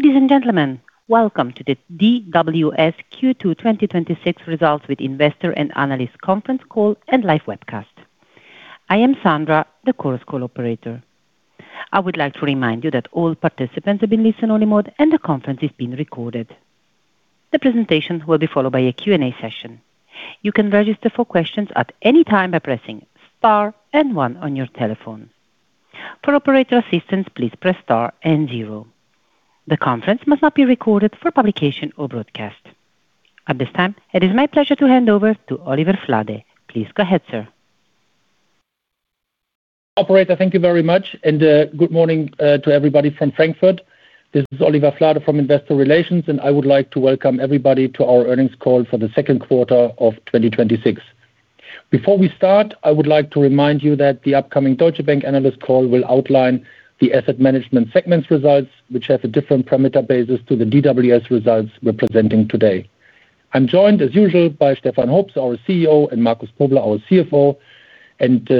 Ladies and gentlemen, welcome to the DWS Q2 2026 results with investor and analyst conference call and live webcast. I am Sandra, the Chorus Call operator. I would like to remind you that all participants have been placed in listen-only mode and the conference is being recorded. The presentation will be followed by a Q&A session. You can register for questions at any time by pressing star and one on your telephone. For operator assistance, please press star and zero. The conference must not be recorded for publication or broadcast. At this time, it is my pleasure to hand over to Oliver Flade. Please go ahead, sir. Operator, thank you very much and good morning to everybody from Frankfurt. This is Oliver Flade from Investor Relations, and I would like to welcome everybody to our earnings call for the second quarter of 2026. Before we start, I would like to remind you that the upcoming Deutsche Bank analyst call will outline the asset management segment's results, which have a different parameter basis to the DWS results we're presenting today. I'm joined, as usual, by Stefan Hoops, our CEO, and Markus Kobler, our CFO.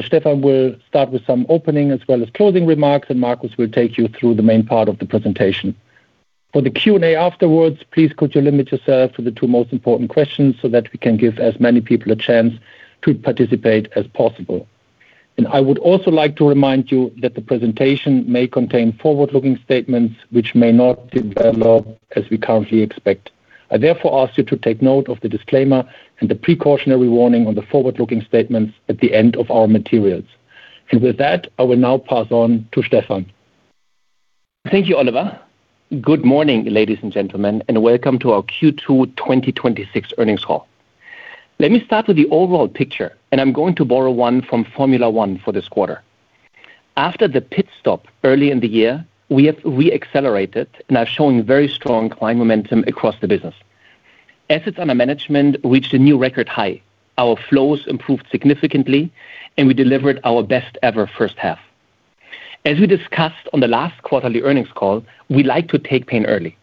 Stefan will start with some opening as well as closing remarks, and Markus will take you through the main part of the presentation. For the Q&A afterwards, please could you limit yourself to the two most important questions so that we can give as many people a chance to participate as possible. I would also like to remind you that the presentation may contain forward-looking statements which may not develop as we currently expect. I therefore ask you to take note of the disclaimer and the precautionary warning on the forward-looking statements at the end of our materials. With that, I will now pass on to Stefan. Thank you, Oliver. Good morning, ladies and gentlemen, and welcome to our Q2 2026 earnings call. Let me start with the overall picture, and I'm going to borrow one from Formula One for this quarter. After the pit stop early in the year, we have re-accelerated and are showing very strong client momentum across the business. Assets under management reached a new record high. Our flows improved significantly, and we delivered our best ever first half. As we discussed on the last quarterly earnings call, we like to take pain early.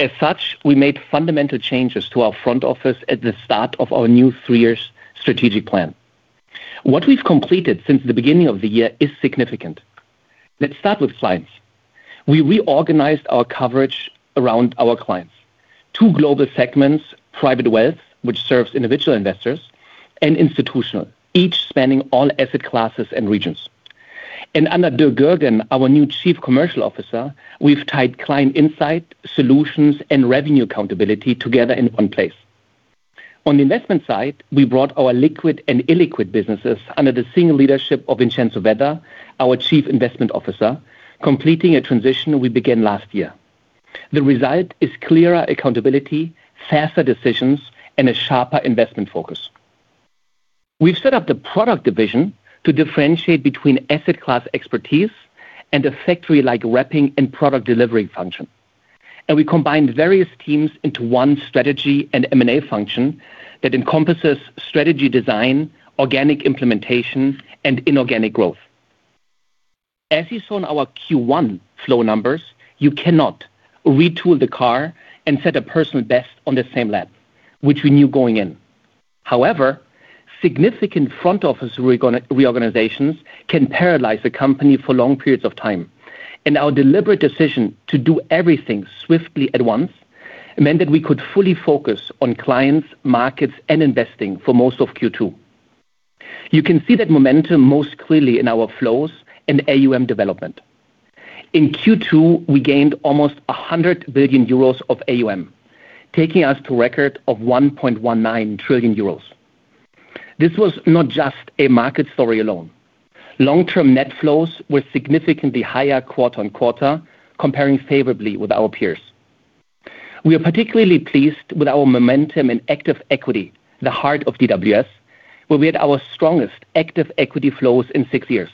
As such, we made fundamental changes to our front office at the start of our new three-year strategic plan. What we've completed since the beginning of the year is significant. Let's start with clients. We reorganized our coverage around our clients. Two global segments, private wealth, which serves individual investors, and institutional, each spanning all asset classes and regions. Under Dirk Görgen, our new Chief Commercial Officer, we've tied client insight, solutions, and revenue accountability together in one place. On the investment side, we brought our liquid and illiquid businesses under the senior leadership of Vincenzo Vedda, our Chief Investment Officer, completing a transition we began last year. The result is clearer accountability, faster decisions, and a sharper investment focus. We've set up the product division to differentiate between asset class expertise and a factory-like wrapping and product delivery function. We combined various teams into one strategy and M&A function that encompasses strategy design, organic implementation, and inorganic growth. As you saw in our Q1 flow numbers, you cannot retool the car and set a personal best on the same lap, which we knew going in. However, significant front office reorganizations can paralyze the company for long periods of time, and our deliberate decision to do everything swiftly at once meant that we could fully focus on clients, markets, and investing for most of Q2. You can see that momentum most clearly in our flows and AUM development. In Q2, we gained almost 100 billion euros of AUM, taking us to a record of 1.19 trillion euros. This was not just a market story alone. Long-term net flows were significantly higher quarter-on-quarter, comparing favorably with our peers. We are particularly pleased with our momentum in active equity, the heart of DWS, where we had our strongest active equity flows in six years.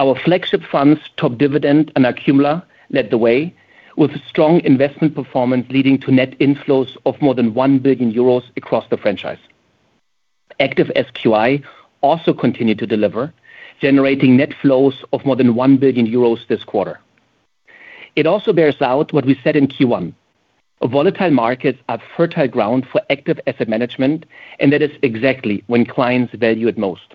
Our flagship funds, Top Dividende and Akkumula, led the way with strong investment performance, leading to net inflows of more than 1 billion euros across the franchise. Active SQI also continued to deliver, generating net flows of more than 1 billion euros this quarter. It also bears out what we said in Q1. Volatile markets are fertile ground for active asset management, and that is exactly when clients value it most.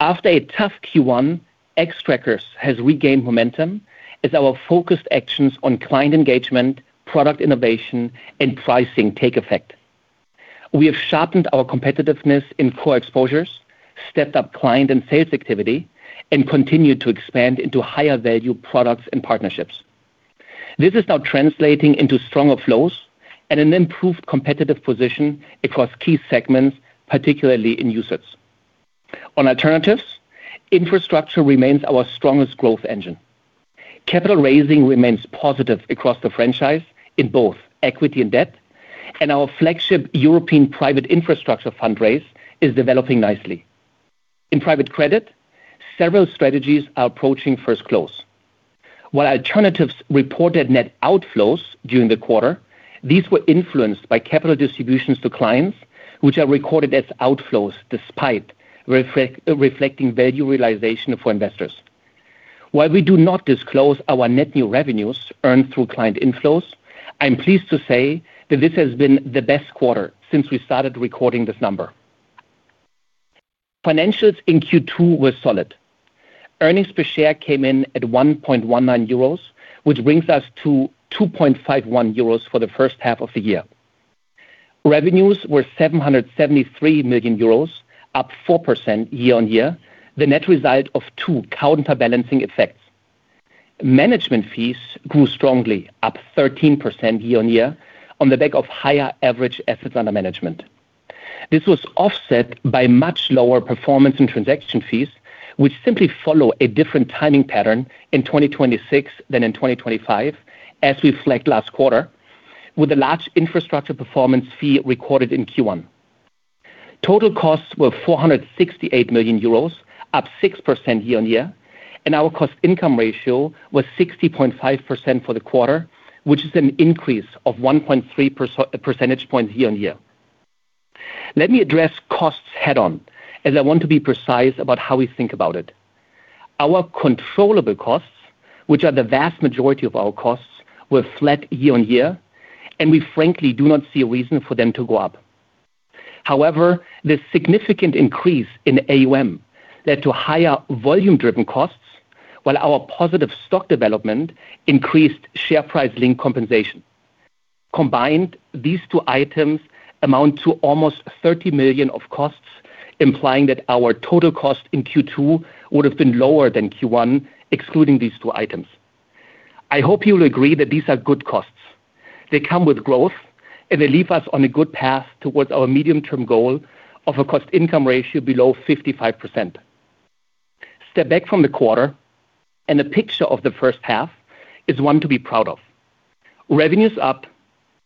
After a tough Q1, Xtrackers has regained momentum as our focused actions on client engagement, product innovation, and pricing take effect. We have sharpened our competitiveness in core exposures, stepped up client and sales activity, and continued to expand into higher value products and partnerships. This is now translating into stronger flows and an improved competitive position across key segments, particularly in UCITS. On alternatives, infrastructure remains our strongest growth engine. Capital raising remains positive across the franchise in both equity and debt, and our flagship European private infrastructure fundraise is developing nicely. In private credit, several strategies are approaching first close. While alternatives reported net outflows during the quarter, these were influenced by capital distributions to clients, which are recorded as outflows despite reflecting value realization for investors. While we do not disclose our net new revenues earned through client inflows, I'm pleased to say that this has been the best quarter since we started recording this number. Financials in Q2 were solid. Earnings per share came in at 1.19 euros, which brings us to 2.51 euros for the first half of the year. Revenues were 773 million euros, up 4% year-on-year, the net result of two counterbalancing effects. Management fees grew strongly, up 13% year-on-year on the back of higher average assets under management. This was offset by much lower performance and transaction fees, which simply follow a different timing pattern in 2026 than in 2025, as we flagged last quarter, with a large infrastructure performance fee recorded in Q1. Total costs were 468 million euros, up 6% year-on-year, and our cost-income ratio was 60.5% for the quarter, which is an increase of 1.3 percentage points year-on-year. Let me address costs head on, as I want to be precise about how we think about it. Our controllable costs, which are the vast majority of our costs, were flat year-on-year, and we frankly do not see a reason for them to go up. However, this significant increase in AUM led to higher volume-driven costs while our positive stock development increased share price link compensation. Combined, these two items amount to almost 30 million of costs, implying that our total cost in Q2 would have been lower than Q1 excluding these two items. I hope you'll agree that these are good costs. They come with growth, and they leave us on a good path towards our medium-term goal of a cost-income ratio below 55%. Step back from the quarter, the picture of the first half is one to be proud of. Revenues up,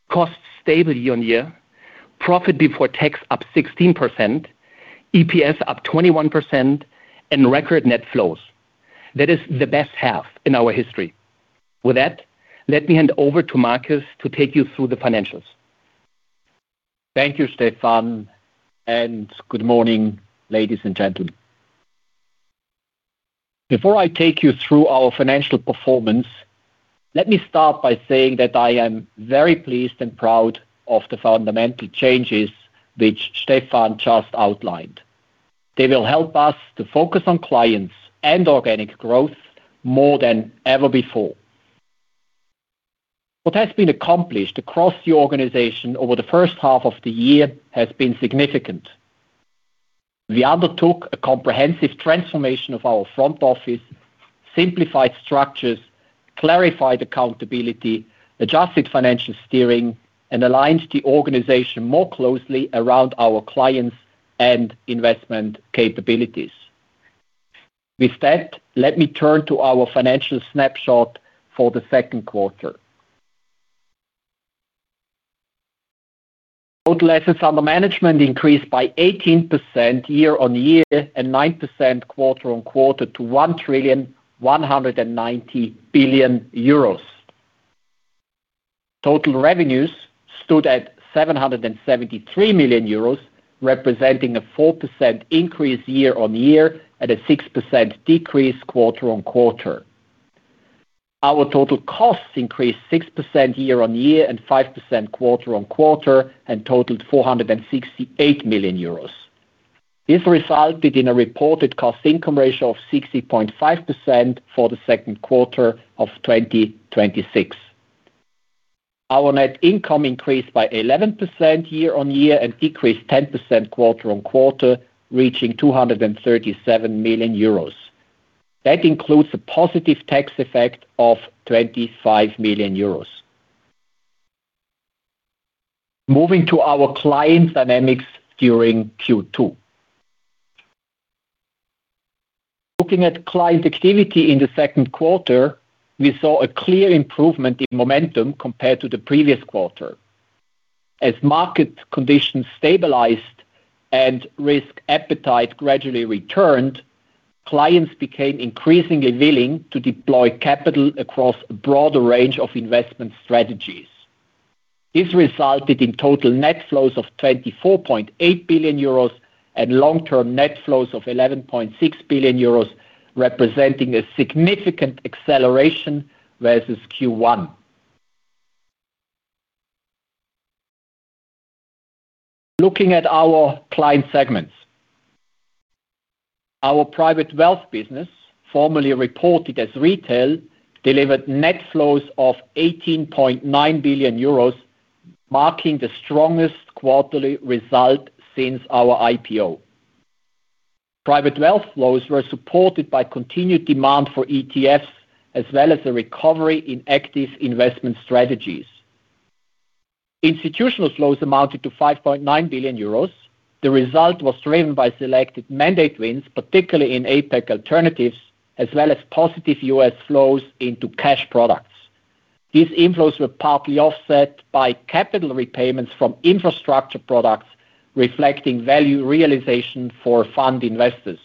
costs stable year-on-year, profit before tax up 16%, EPS up 21%, and record net flows. That is the best half in our history. With that, let me hand over to Markus to take you through the financials. Thank you, Stefan. Good morning, ladies and gentlemen. Before I take you through our financial performance, let me start by saying that I am very pleased and proud of the fundamental changes which Stefan just outlined. They will help us to focus on clients and organic growth more than ever before. What has been accomplished across the organization over the first half of the year has been significant. We undertook a comprehensive transformation of our front office, simplified structures, clarified accountability, adjusted financial steering, and aligned the organization more closely around our clients and investment capabilities. With that, let me turn to our financial snapshot for the second quarter. Total assets under management increased by 18% year-on-year and 9% quarter-on-quarter to 1,190 billion euros. Total revenues stood at 773 million euros, representing a 4% increase year-on-year and a 6% decrease quarter-on-quarter. Our total costs increased 6% year-on-year and 5% quarter-on-quarter and totaled 468 million euros. This resulted in a reported cost-income ratio of 60.5% for the second quarter of 2026. Our net income increased by 11% year-on-year and decreased 10% quarter-on-quarter, reaching 237 million euros. That includes a positive tax effect of 25 million euros. Moving to our client dynamics during Q2. Looking at client activity in the second quarter, we saw a clear improvement in momentum compared to the previous quarter. As market conditions stabilized and risk appetite gradually returned, clients became increasingly willing to deploy capital across a broader range of investment strategies. This resulted in total net flows of 24.8 billion euros and long-term net flows of 11.6 billion euros, representing a significant acceleration versus Q1. Looking at our client segments. Our private wealth business, formerly reported as retail, delivered net flows of 18.9 billion euros, marking the strongest quarterly result since our IPO. Private wealth flows were supported by continued demand for ETFs, as well as a recovery in active investment strategies. Institutional flows amounted to 5.9 billion euros. The result was driven by selected mandate wins, particularly in APAC Alternatives, as well as positive U.S. flows into cash products. These inflows were partly offset by capital repayments from infrastructure products, reflecting value realization for fund investors.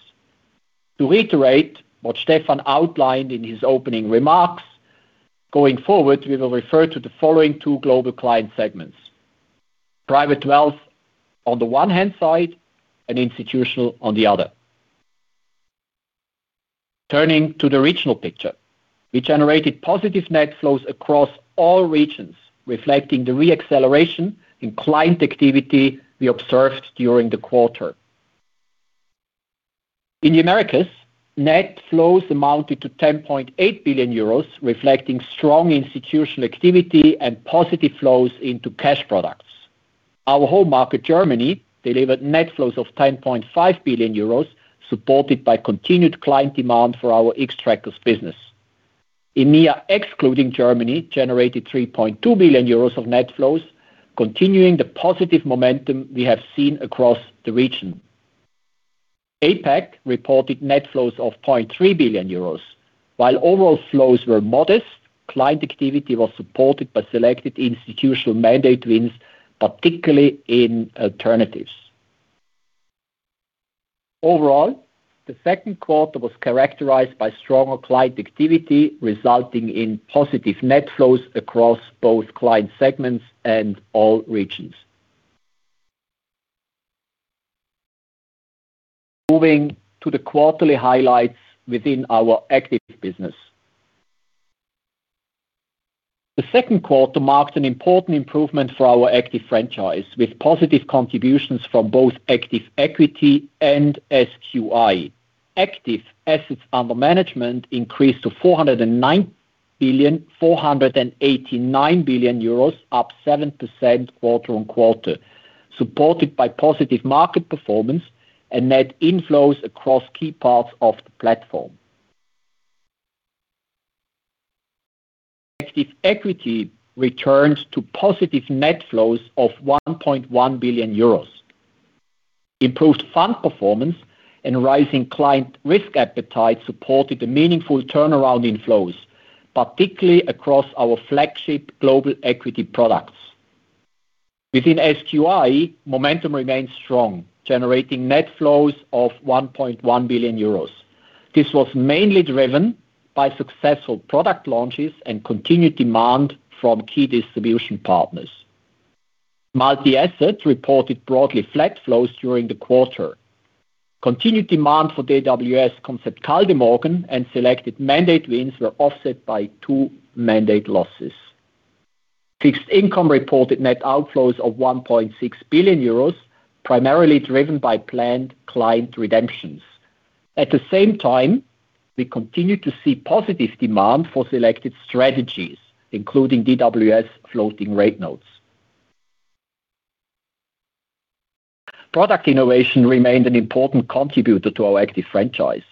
To reiterate what Stefan outlined in his opening remarks, going forward, we will refer to the following two global client segments. Private wealth on the one hand side and institutional on the other. Turning to the regional picture. We generated positive net flows across all regions, reflecting the re-acceleration in client activity we observed during the quarter. In the Americas, net flows amounted to 10.8 billion euros, reflecting strong institutional activity and positive flows into cash products. Our home market, Germany, delivered net flows of 10.5 billion euros, supported by continued client demand for our Xtrackers business. EMEA, excluding Germany, generated 3.2 billion euros of net flows, continuing the positive momentum we have seen across the region. APAC reported net flows of 3 billion euros. While overall flows were modest, client activity was supported by selected institutional mandate wins, particularly in alternatives. Overall, the second quarter was characterized by stronger client activity, resulting in positive net flows across both client segments and all regions. Moving to the quarterly highlights within our active business. The second quarter marked an important improvement for our active franchise, with positive contributions from both active equity and SQI. Active assets under management increased to EUR 489 billion, up 7% quarter-over-quarter, supported by positive market performance and net inflows across key parts of the platform. Active equity returns to positive net flows of 1.1 billion euros. Improved fund performance and rising client risk appetite supported a meaningful turnaround in flows, particularly across our flagship global equity products. Within SQI, momentum remains strong, generating net flows of 1.1 billion euros. This was mainly driven by successful product launches and continued demand from key distribution partners. Multi-asset reported broadly flat flows during the quarter. Continued demand for DWS Concept Kaldemorgen and selected mandate wins were offset by two mandate losses. Fixed income reported net outflows of 1.6 billion euros, primarily driven by planned client redemptions. At the same time, we continue to see positive demand for selected strategies, including DWS Floating Rate Notes. Product innovation remained an important contributor to our active franchise.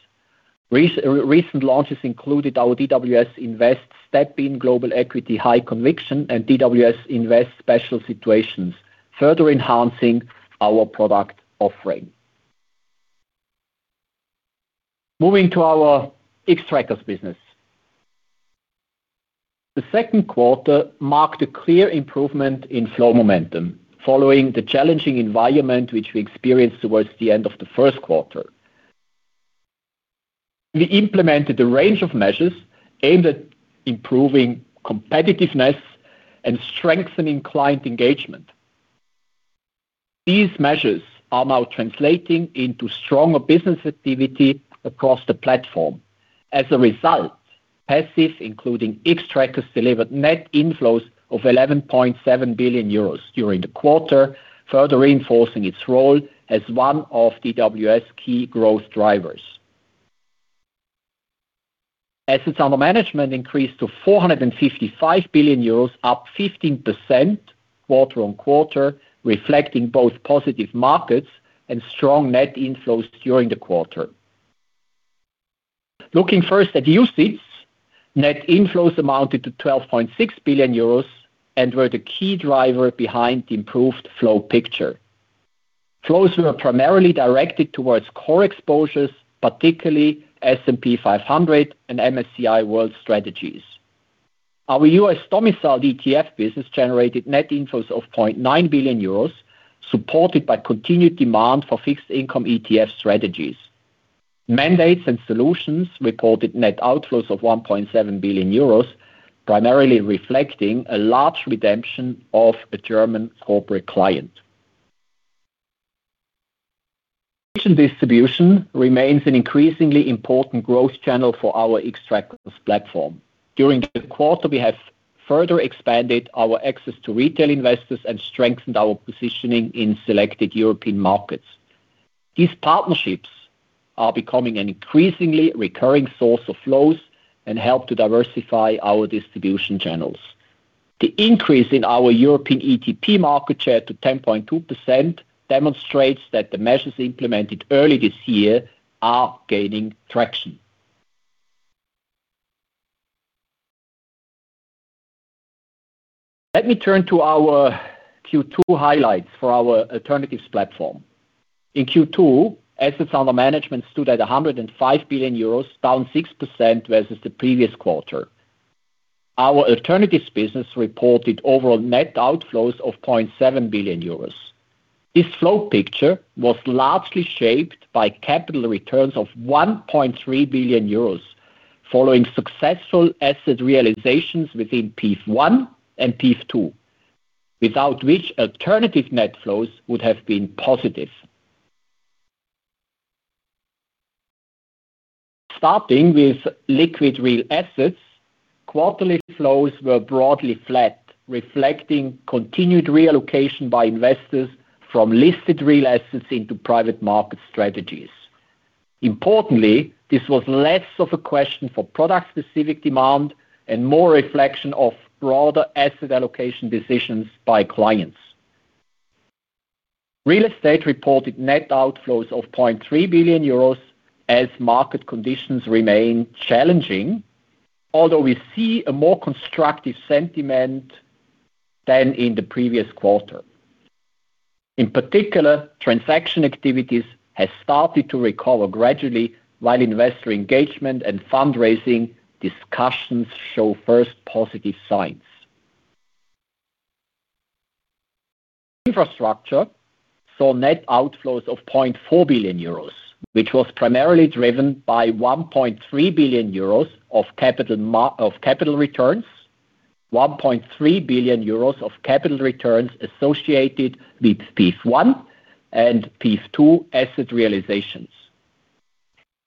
Recent launches included our DWS Invest StepIn Global Equity High Conviction and DWS Invest Special Situations, further enhancing our product offering. Moving to our Xtrackers business. The second quarter marked a clear improvement in flow momentum, following the challenging environment which we experienced towards the end of the first quarter. We implemented a range of measures aimed at improving competitiveness and strengthening client engagement. These measures are now translating into stronger business activity across the platform. As a result, passive, including Xtrackers, delivered net inflows of 11.7 billion euros during the quarter, further reinforcing its role as one of DWS key growth drivers. Assets under management increased to 455 billion euros, up 15% quarter-on-quarter, reflecting both positive markets and strong net inflows during the quarter. Looking first at UCITS, net inflows amounted to 12.6 billion euros and were the key driver behind the improved flow picture. Flows were primarily directed towards core exposures, particularly S&P 500 and MSCI World strategies. Our U.S. domiciled ETF business generated net inflows of 0.9 billion euros, supported by continued demand for fixed income ETF strategies. Mandates and solutions reported net outflows of 1.7 billion euros, primarily reflecting a large redemption of a German corporate client. Digital distribution remains an increasingly important growth channel for our Xtrackers platform. During the quarter, we have further expanded our access to retail investors and strengthened our positioning in selected European markets. These partnerships are becoming an increasingly recurring source of flows and help to diversify our distribution channels. The increase in our European ETP market share to 10.2% demonstrates that the measures implemented early this year are gaining traction. Let me turn to our Q2 highlights for our alternatives platform. In Q2, assets under management stood at 105 billion euros, down 6% versus the previous quarter. Our alternatives business reported overall net outflows of 700 million euros. This flow picture was largely shaped by capital returns of 1.3 billion euros, following successful asset realizations within PIF I and PIF II. Without which alternative net flows would have been positive. Starting with liquid real assets, quarterly flows were broadly flat, reflecting continued reallocation by investors from listed real assets into private market strategies. Importantly, this was less of a question for product-specific demand and more a reflection of broader asset allocation decisions by clients. Real estate reported net outflows of 0.3 billion euros as market conditions remain challenging, although we see a more constructive sentiment than in the previous quarter. In particular, transaction activities have started to recover gradually, while investor engagement and fundraising discussions show first positive signs. Infrastructure saw net outflows of 0.4 billion euros, which was primarily driven by 1.3 billion euros of capital returns associated with PIF I and PIF II asset realizations.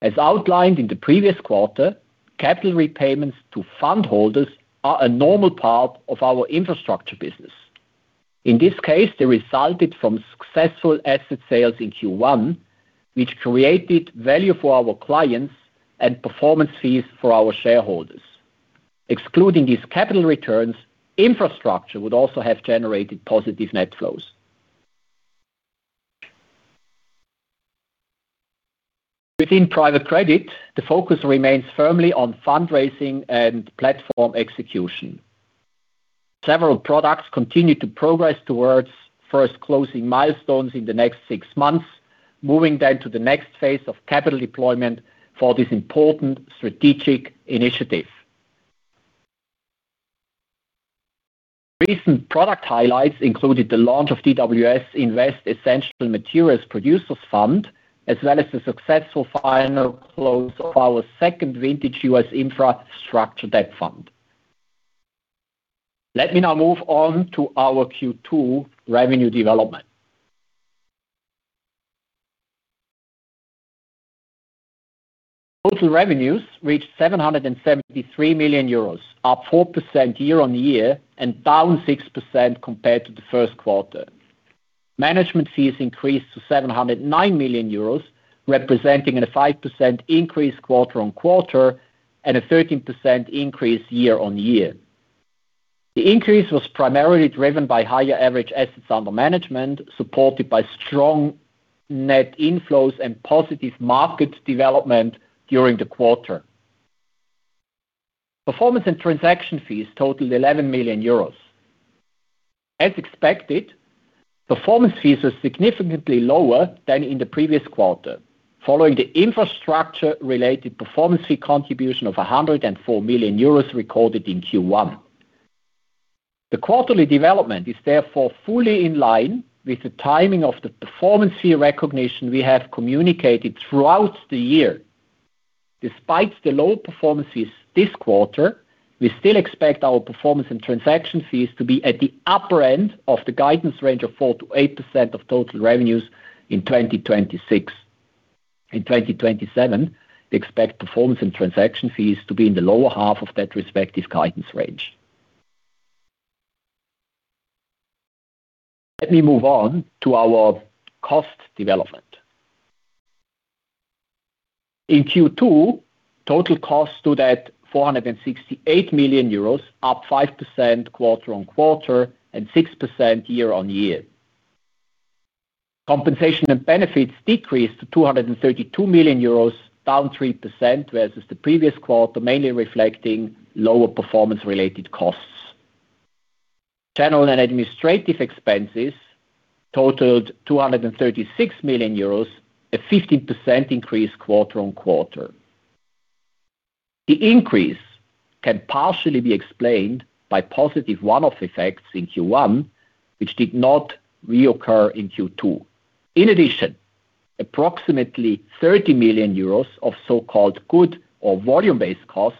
As outlined in the previous quarter, capital repayments to fund holders are a normal part of our infrastructure business. In this case, they resulted from successful asset sales in Q1, which created value for our clients and performance fees for our shareholders. Excluding these capital returns, infrastructure would also have generated positive net flows. Within private credit, the focus remains firmly on fundraising and platform execution. Several products continue to progress towards first closing milestones in the next six months, moving to the next phase of capital deployment for this important strategic initiative. Recent product highlights included the launch of DWS Invest Essential Materials Producers Fund, as well as the successful final close of our second vintage U.S. infrastructure debt fund. Let me now move on to our Q2 revenue development. Total revenues reached 773 million euros, up 4% year-on-year and down 6% compared to the first quarter. Management fees increased to 709 million euros, representing a 5% increase quarter-on-quarter and a 13% increase year-on-year. The increase was primarily driven by higher average assets under management, supported by strong net inflows and positive market development during the quarter. Performance and transaction fees totaled 11 million euros. As expected, performance fees were significantly lower than in the previous quarter, following the infrastructure-related performance fee contribution of 104 million euros recorded in Q1. The quarterly development is therefore fully in line with the timing of the performance fee recognition we have communicated throughout the year. Despite the low performance fees this quarter, we still expect our performance and transaction fees to be at the upper end of the guidance range of 4%-8% of total revenues in 2026. In 2027, we expect performance and transaction fees to be in the lower half of that respective guidance range. Let me move on to our cost development. In Q2, total costs stood at 468 million euros, up 5% quarter-on-quarter and 6% year-on-year. Compensation and benefits decreased to 232 million euros, down 3% versus the previous quarter, mainly reflecting lower performance-related costs. General and administrative expenses totaled 236 million euros, a 15% increase quarter-on-quarter. The increase can partially be explained by positive one-off effects in Q1, which did not reoccur in Q2. In addition, approximately 30 million euros of so-called good or volume-based costs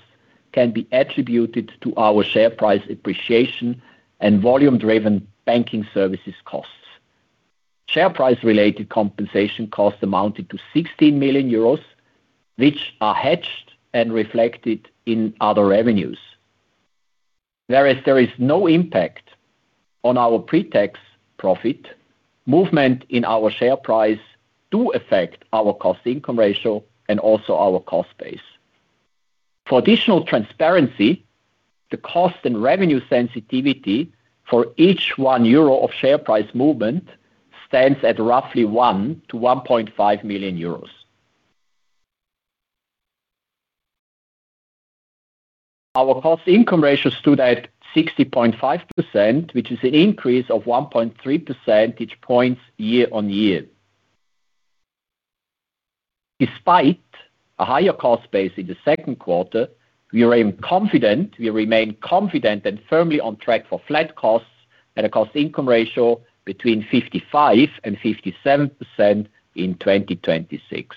can be attributed to our share price appreciation and volume-driven banking services costs. Share price-related compensation costs amounted to 16 million euros, which are hedged and reflected in other revenues. Whereas there is no impact on our pre-tax profit, movement in our share price do affect our cost-income ratio and also our cost base. For additional transparency, the cost and revenue sensitivity for each 1 euro of share price movement stands at roughly one to 1.5 million euros. Our cost-income ratio stood at 60.5%, which is an increase of 1.3 percentage points year-on-year. Despite a higher cost base in the second quarter, we remain confident and firmly on track for flat costs at a cost-income ratio between 55% and 57% in 2026.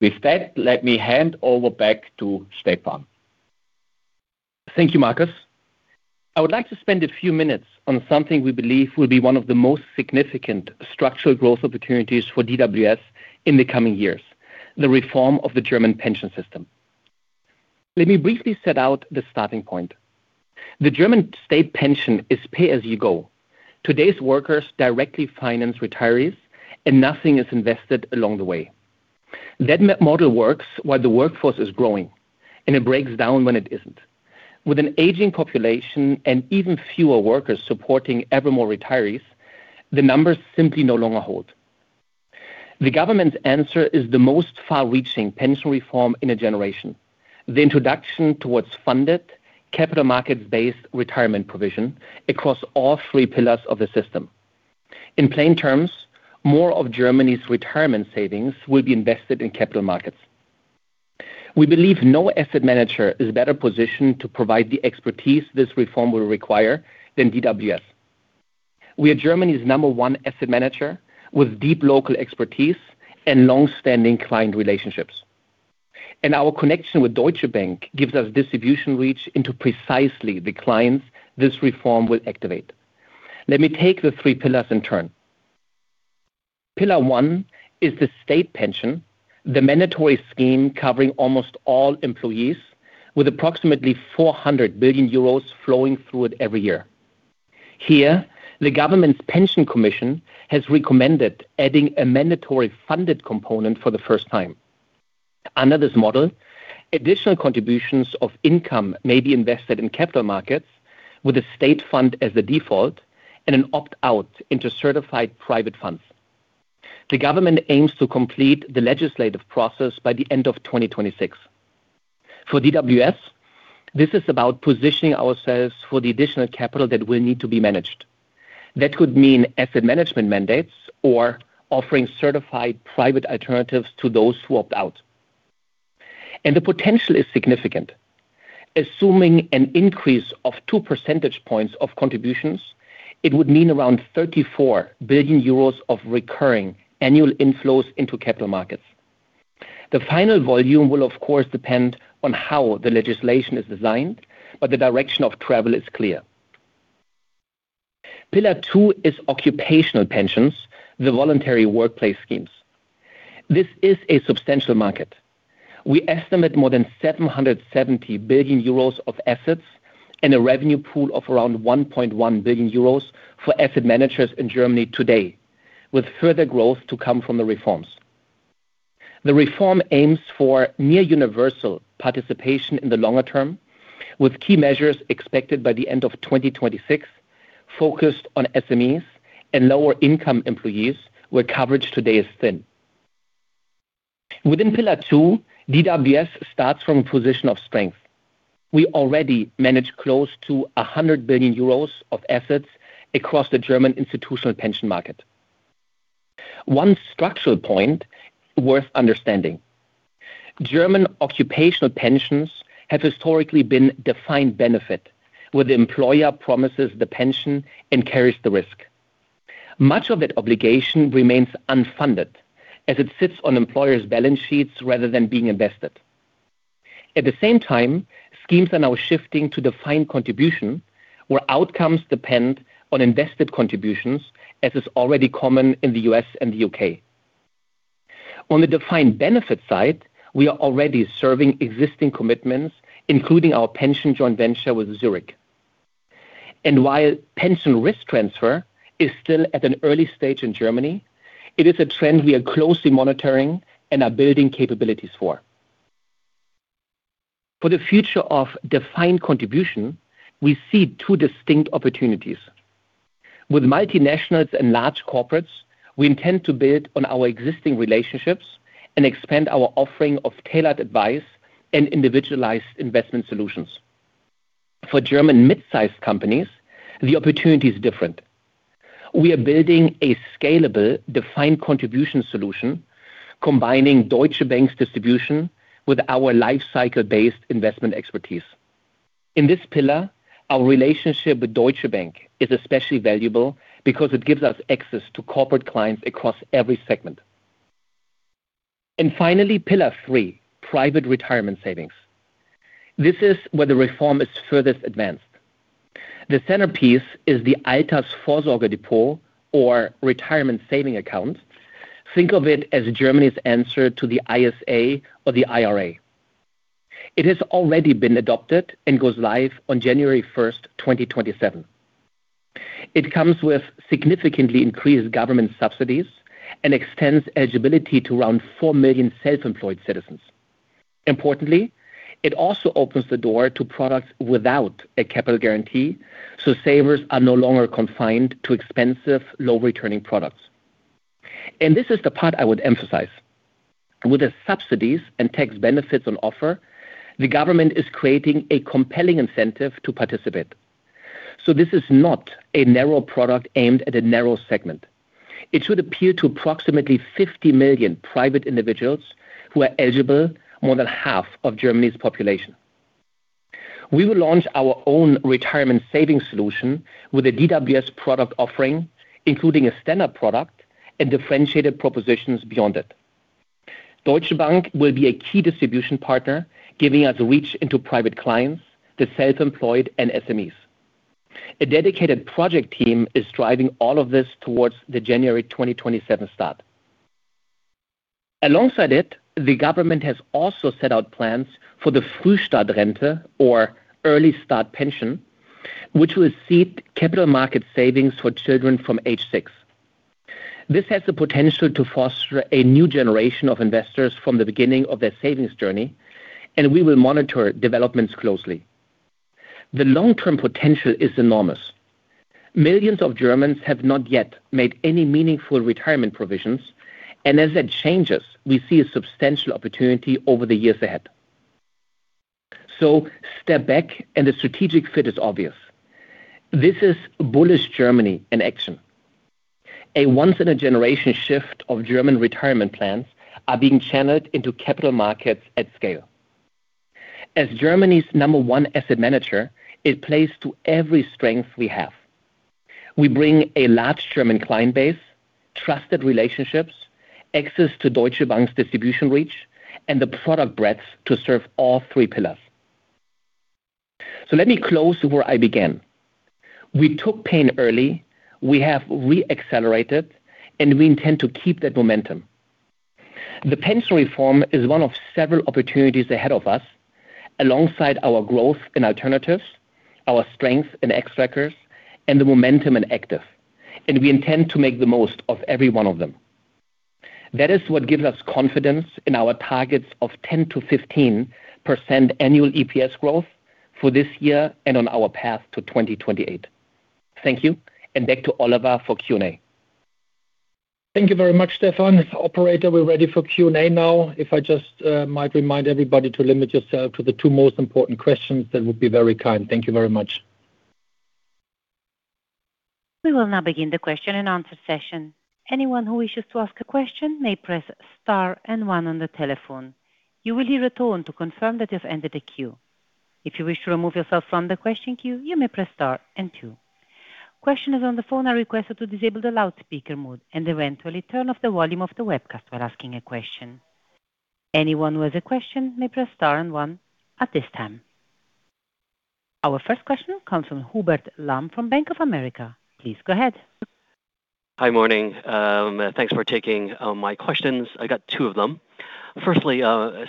With that, let me hand over back to Stefan. Thank you, Markus. I would like to spend a few minutes on something we believe will be one of the most significant structural growth opportunities for DWS in the coming years, the reform of the German pension system. Let me briefly set out the starting point. The German state pension is pay-as-you-go. Today's workers directly finance retirees, and nothing is invested along the way. That model works while the workforce is growing, and it breaks down when it isn't. With an aging population and even fewer workers supporting ever more retirees, the numbers simply no longer hold. The government's answer is the most far-reaching pension reform in a generation. The introduction towards funded, capital markets-based retirement provision across all three pillars of the system. In plain terms, more of Germany's retirement savings will be invested in capital markets. We believe no asset manager is better positioned to provide the expertise this reform will require than DWS. We are Germany's number one asset manager with deep local expertise and longstanding client relationships. Our connection with Deutsche Bank gives us distribution reach into precisely the clients this reform will activate. Let me take the three pillars in turn. Pillar one is the state pension, the mandatory scheme covering almost all employees with approximately 400 billion euros flowing through it every year. Here, the government's pension commission has recommended adding a mandatory funded component for the first time. Under this model, additional contributions of income may be invested in capital markets with a state fund as the default and an opt-out into certified private funds. The government aims to complete the legislative process by the end of 2026. For DWS, this is about positioning ourselves for the additional capital that will need to be managed. That could mean asset management mandates or offering certified private alternatives to those who opt out. The potential is significant. Assuming an increase of 2 percentage points of contributions, it would mean around 34 billion euros of recurring annual inflows into capital markets. The final volume will, of course, depend on how the legislation is designed, but the direction of travel is clear. Pillar 2 is occupational pensions, the voluntary workplace schemes. This is a substantial market. We estimate more than 770 billion euros of assets and a revenue pool of around 1.1 billion euros for asset managers in Germany today, with further growth to come from the reforms. The reform aims for near universal participation in the longer term, with key measures expected by the end of 2026, focused on SMEs and lower-income employees where coverage today is thin. Within Pillar 2, DWS starts from a position of strength. We already manage close to 100 billion euros of assets across the German institutional pension market. One structural point worth understanding. German occupational pensions have historically been defined benefit, where the employer promises the pension and carries the risk. Much of that obligation remains unfunded as it sits on employers' balance sheets rather than being invested. At the same time, schemes are now shifting to defined contribution, where outcomes depend on invested contributions, as is already common in the U.S. and the U.K. On the defined benefit side, we are already serving existing commitments, including our pension joint venture with Zurich. While pension risk transfer is still at an early stage in Germany, it is a trend we are closely monitoring and are building capabilities for. For the future of defined contribution, we see two distinct opportunities. With multinationals and large corporates, we intend to build on our existing relationships and expand our offering of tailored advice and individualized investment solutions. For German mid-sized companies, the opportunity is different. We are building a scalable defined contribution solution combining Deutsche Bank's distribution with our life cycle-based investment expertise. In this pillar, our relationship with Deutsche Bank is especially valuable because it gives us access to corporate clients across every segment. Finally, Pillar 3, private retirement savings. This is where the reform is furthest advanced. The centerpiece is the Altersvorsorgedepot or retirement saving account. Think of it as Germany's answer to the ISA or the IRA. It has already been adopted and goes live on January 1st, 2027. It comes with significantly increased government subsidies and extends eligibility to around 4 million self-employed citizens. Importantly, it also opens the door to products without a capital guarantee, so savers are no longer confined to expensive, low-returning products. This is the part I would emphasize. With the subsidies and tax benefits on offer, the government is creating a compelling incentive to participate. This is not a narrow product aimed at a narrow segment. It should appeal to approximately 50 million private individuals who are eligible, more than half of Germany's population. We will launch our own retirement savings solution with a DWS product offering, including a standard product and differentiated propositions beyond it. Deutsche Bank will be a key distribution partner, giving us reach into private clients, the self-employed, and SMEs. A dedicated project team is driving all of this towards the January 2027 start. Alongside it, the government has also set out plans for the Frühstart-Rente, or early start pension, which will seed capital market savings for children from age 6. This has the potential to foster a new generation of investors from the beginning of their savings journey, and we will monitor developments closely. The long-term potential is enormous. Millions of Germans have not yet made any meaningful retirement provisions, and as that changes, we see a substantial opportunity over the years ahead. Step back and the strategic fit is obvious. This is bullish Germany in action. A once-in-a-generation shift of German retirement plans are being channeled into capital markets at scale. As Germany's number one asset manager, it plays to every strength we have. We bring a large German client base, trusted relationships, access to Deutsche Bank's distribution reach, and the product breadth to serve all three pillars. Let me close where I began. We took pain early, we have re-accelerated, and we intend to keep that momentum. The pension reform is one of several opportunities ahead of us, alongside our growth in alternatives, our strength in Xtrackers, and the momentum in active, and we intend to make the most of every one of them. That is what gives us confidence in our targets of 10%-15% annual EPS growth for this year and on our path to 2028. Thank you, and back to Oliver for Q&A. Thank you very much, Stefan. Operator, we're ready for Q&A now. If I just might remind everybody to limit yourself to the two most important questions, that would be very kind. Thank you very much. We will now begin the question-and-answer session. Anyone who wishes to ask a question may press star and one on the telephone. You will hear a tone to confirm that you've entered a queue. If you wish to remove yourself from the question queue, you may press star and two. Questioners on the phone are requested to disable the loudspeaker mode and eventually turn off the volume of the webcast while asking a question. Anyone who has a question may press star and one at this time. Our first question comes from Hubert Lam from Bank of America. Please go ahead. Hi. Morning. Thanks for taking my questions. I got two of them. Firstly,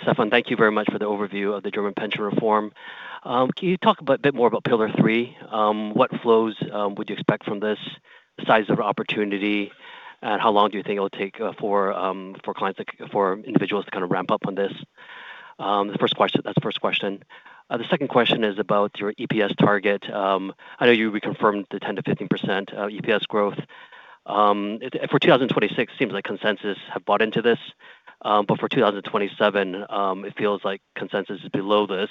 Stefan, thank you very much for the overview of the German pension reform. Can you talk a bit more about Pillar 3? What flows would you expect from this, the size of opportunity, and how long do you think it'll take for individuals to kind of ramp up on this? That's the first question. The second question is about your EPS target. I know you reconfirmed the 10%-15% EPS growth. For 2026, seems like consensus have bought into this, but for 2027, it feels like consensus is below this.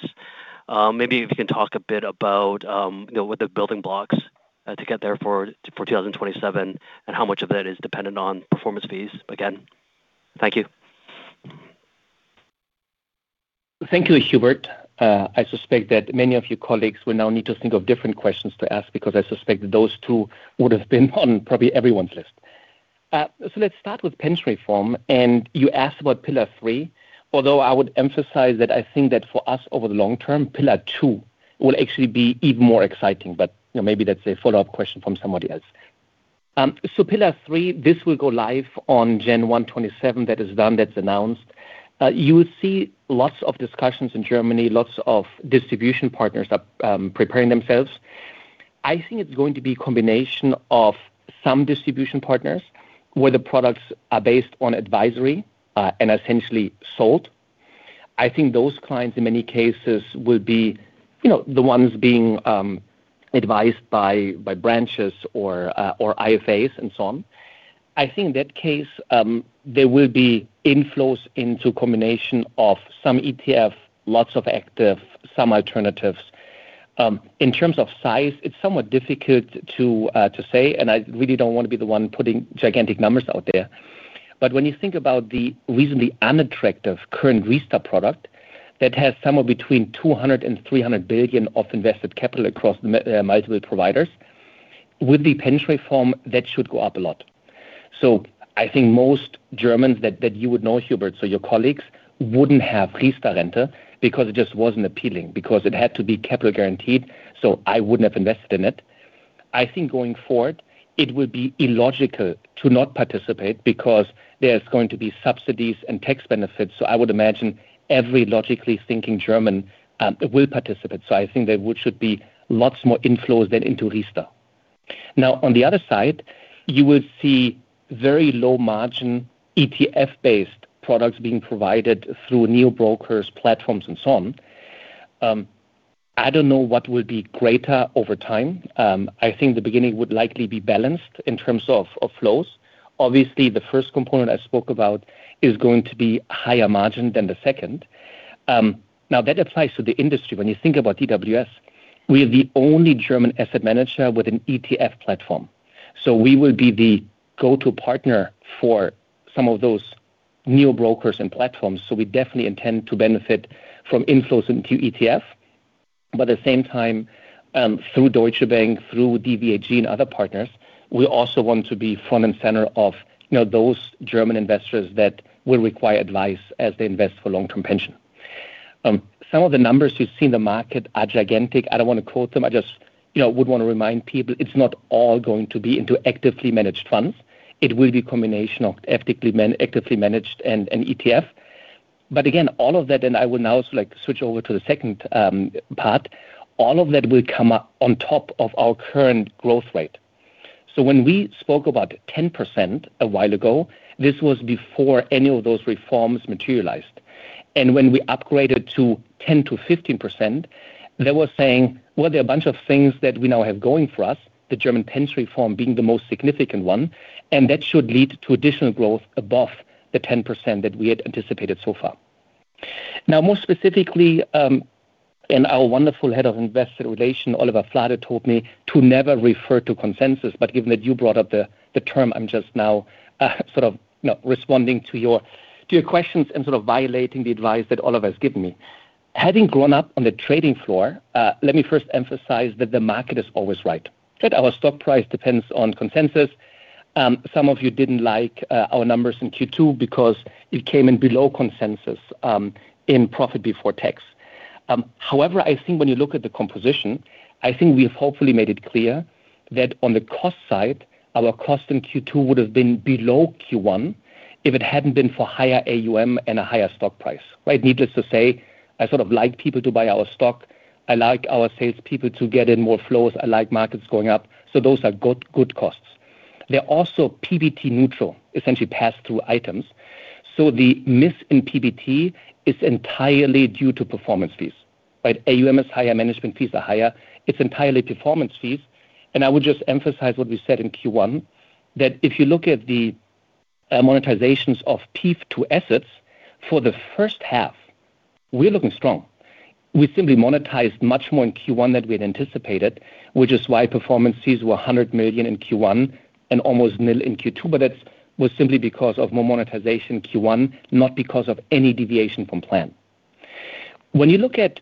Maybe if you can talk a bit about what the building blocks to get there for 2027 and how much of that is dependent on performance fees, again. Thank you. Thank you, Hubert. I suspect that many of your colleagues will now need to think of different questions to ask, because I suspect those two would have been on probably everyone's list. Let's start with pension reform, and you asked about Pillar 3, although I would emphasize that I think that for us over the long term, Pillar 2 will actually be even more exciting. But maybe that's a follow-up question from somebody else. Pillar 3, this will go live on January 1, 2027. That is done, that's announced. You will see lots of discussions in Germany, lots of distribution partners are preparing themselves. I think it's going to be a combination of some distribution partners, where the products are based on advisory and essentially sold. I think those clients, in many cases, will be the ones being advised by branches or IFAs and so on. I think in that case, there will be inflows into combination of some ETF, lots of active, some alternatives. In terms of size, it's somewhat difficult to say, and I really don't want to be the one putting gigantic numbers out there. When you think about the reasonably unattractive current Riester product that has somewhere between 200 billion and 300 billion of invested capital across multiple providers, with the pension reform, that should go up a lot. I think most Germans that you would know, Hubert, so your colleagues, wouldn't have RiesterRente because it just wasn't appealing, because it had to be capital guaranteed, so I wouldn't have invested in it. I think going forward, it would be illogical to not participate because there's going to be subsidies and tax benefits. I would imagine every logically thinking German will participate. I think there should be lots more inflows then into Riester. On the other side, you will see very low margin ETF-based products being provided through neo-brokers, platforms and so on. I don't know what will be greater over time. I think the beginning would likely be balanced in terms of flows. Obviously, the first component I spoke about is going to be higher margin than the second. That applies to the industry. When you think about DWS, we are the only German asset manager with an ETF platform. We will be the go-to partner for some of those new brokers and platforms. We definitely intend to benefit from inflows into ETF, but at the same time, through Deutsche Bank, through DBAG and other partners, we also want to be front and center of those German investors that will require advice as they invest for long-term pension. Some of the numbers you see in the market are gigantic. I don't want to quote them, I just would want to remind people it's not all going to be into actively managed funds. It will be a combination of actively managed and ETF. Again, all of that, and I will now switch over to the second part, all of that will come up on top of our current growth rate. When we spoke about 10% a while ago, this was before any of those reforms materialized. When we upgraded to 10%-15%, that was saying, well, there are a bunch of things that we now have going for us, the German pension reform being the most significant one, and that should lead to additional growth above the 10% that we had anticipated so far. More specifically, and our wonderful Head of Investor Relations, Oliver Flade, told me to never refer to consensus, but given that you brought up the term, I'm just now sort of responding to your questions and sort of violating the advice that Oliver has given me. Having grown up on the trading floor, let me first emphasize that the market is always right, that our stock price depends on consensus. Some of you didn't like our numbers in Q2 because it came in below consensus in profit before tax. However, I think when you look at the composition, I think we have hopefully made it clear that on the cost side, our cost in Q2 would have been below Q1 if it hadn't been for higher AUM and a higher stock price. Right? Needless to say, I sort of like people to buy our stock. I like our salespeople to get in more flows. I like markets going up. Those are good costs. They're also PBT neutral, essentially pass through items. The miss in PBT is entirely due to performance fees. Right? AUM is higher, management fees are higher. It's entirely performance fees. I would just emphasize what we said in Q1, that if you look at the monetizations of PIF II assets for the first half, we're looking strong. We simply monetized much more in Q1 than we had anticipated, which is why performance fees were 100 million in Q1 and almost nil in Q2. That was simply because of more monetization in Q1, not because of any deviation from plan. When you look at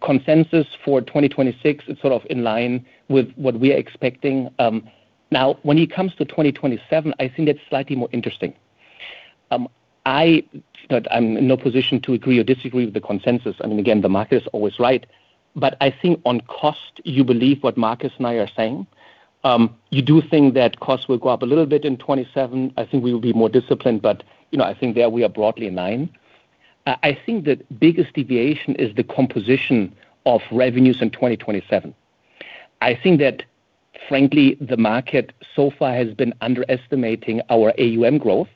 consensus for 2026, it's sort of in line with what we are expecting. When it comes to 2027, I think that's slightly more interesting. I'm in no position to agree or disagree with the consensus. I mean, again, the market is always right. I think on cost, you believe what Markus and I are saying. You do think that costs will go up a little bit in 2027. I think we will be more disciplined, but I think there we are broadly in line. I think the biggest deviation is the composition of revenues in 2027. I think that frankly, the market so far has been underestimating our AUM growth.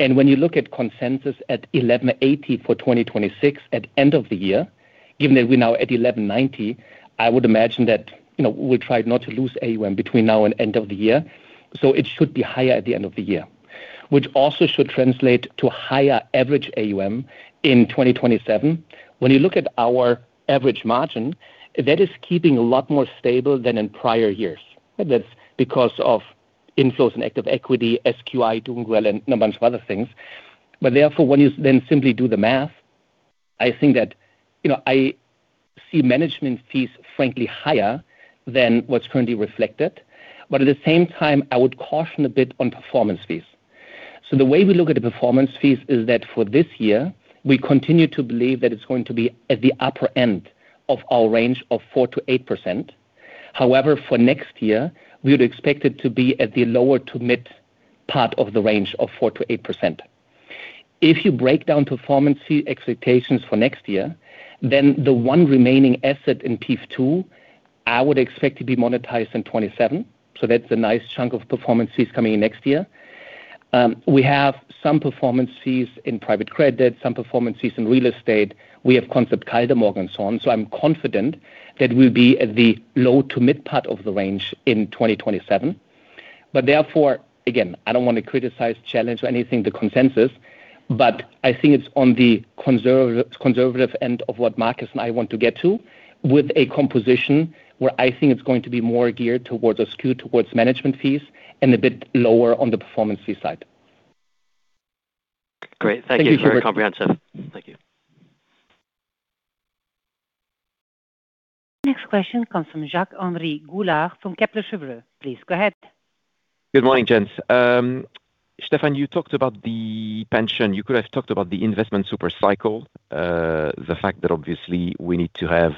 When you look at consensus at 1,180 for 2026 at end of the year, given that we're now at 1,190, I would imagine that we'll try not to lose AUM between now and end of the year. It should be higher at the end of the year, which also should translate to higher average AUM in 2027. When you look at our average margin, that is keeping a lot more stable than in prior years. That's because of inflows in active equity, SQI doing well, and a bunch of other things. Therefore, when you then simply do the math, I think that I see management fees, frankly, higher than what's currently reflected. At the same time, I would caution a bit on performance fees. The way we look at the performance fees is that for this year, we continue to believe that it's going to be at the upper end of our range of 4%-8%. However, for next year, we would expect it to be at the lower to mid part of the range of 4%-8%. If you break down performance fee expectations for next year, the one remaining asset in PIF II, I would expect to be monetized in 2027. That's a nice chunk of performance fees coming in next year. We have some performance fees in private credit, some performance fees in real estate. We have concept and so on. I'm confident that we'll be at the low to mid part of the range in 2027. Therefore, again, I don't want to criticize, challenge or anything the consensus, I think it's on the conservative end of what Markus and I want to get to with a composition where I think it's going to be more geared towards or skewed towards management fees and a bit lower on the performance fee side. Great. Thank you. Thank you. Very comprehensive. Thank you. Next question comes from Jacques-Henri Gaulard from Kepler Cheuvreux. Please go ahead. Good morning, gents. Stefan, you talked about the pension. You could have talked about the investment super cycle, the fact that obviously we need to have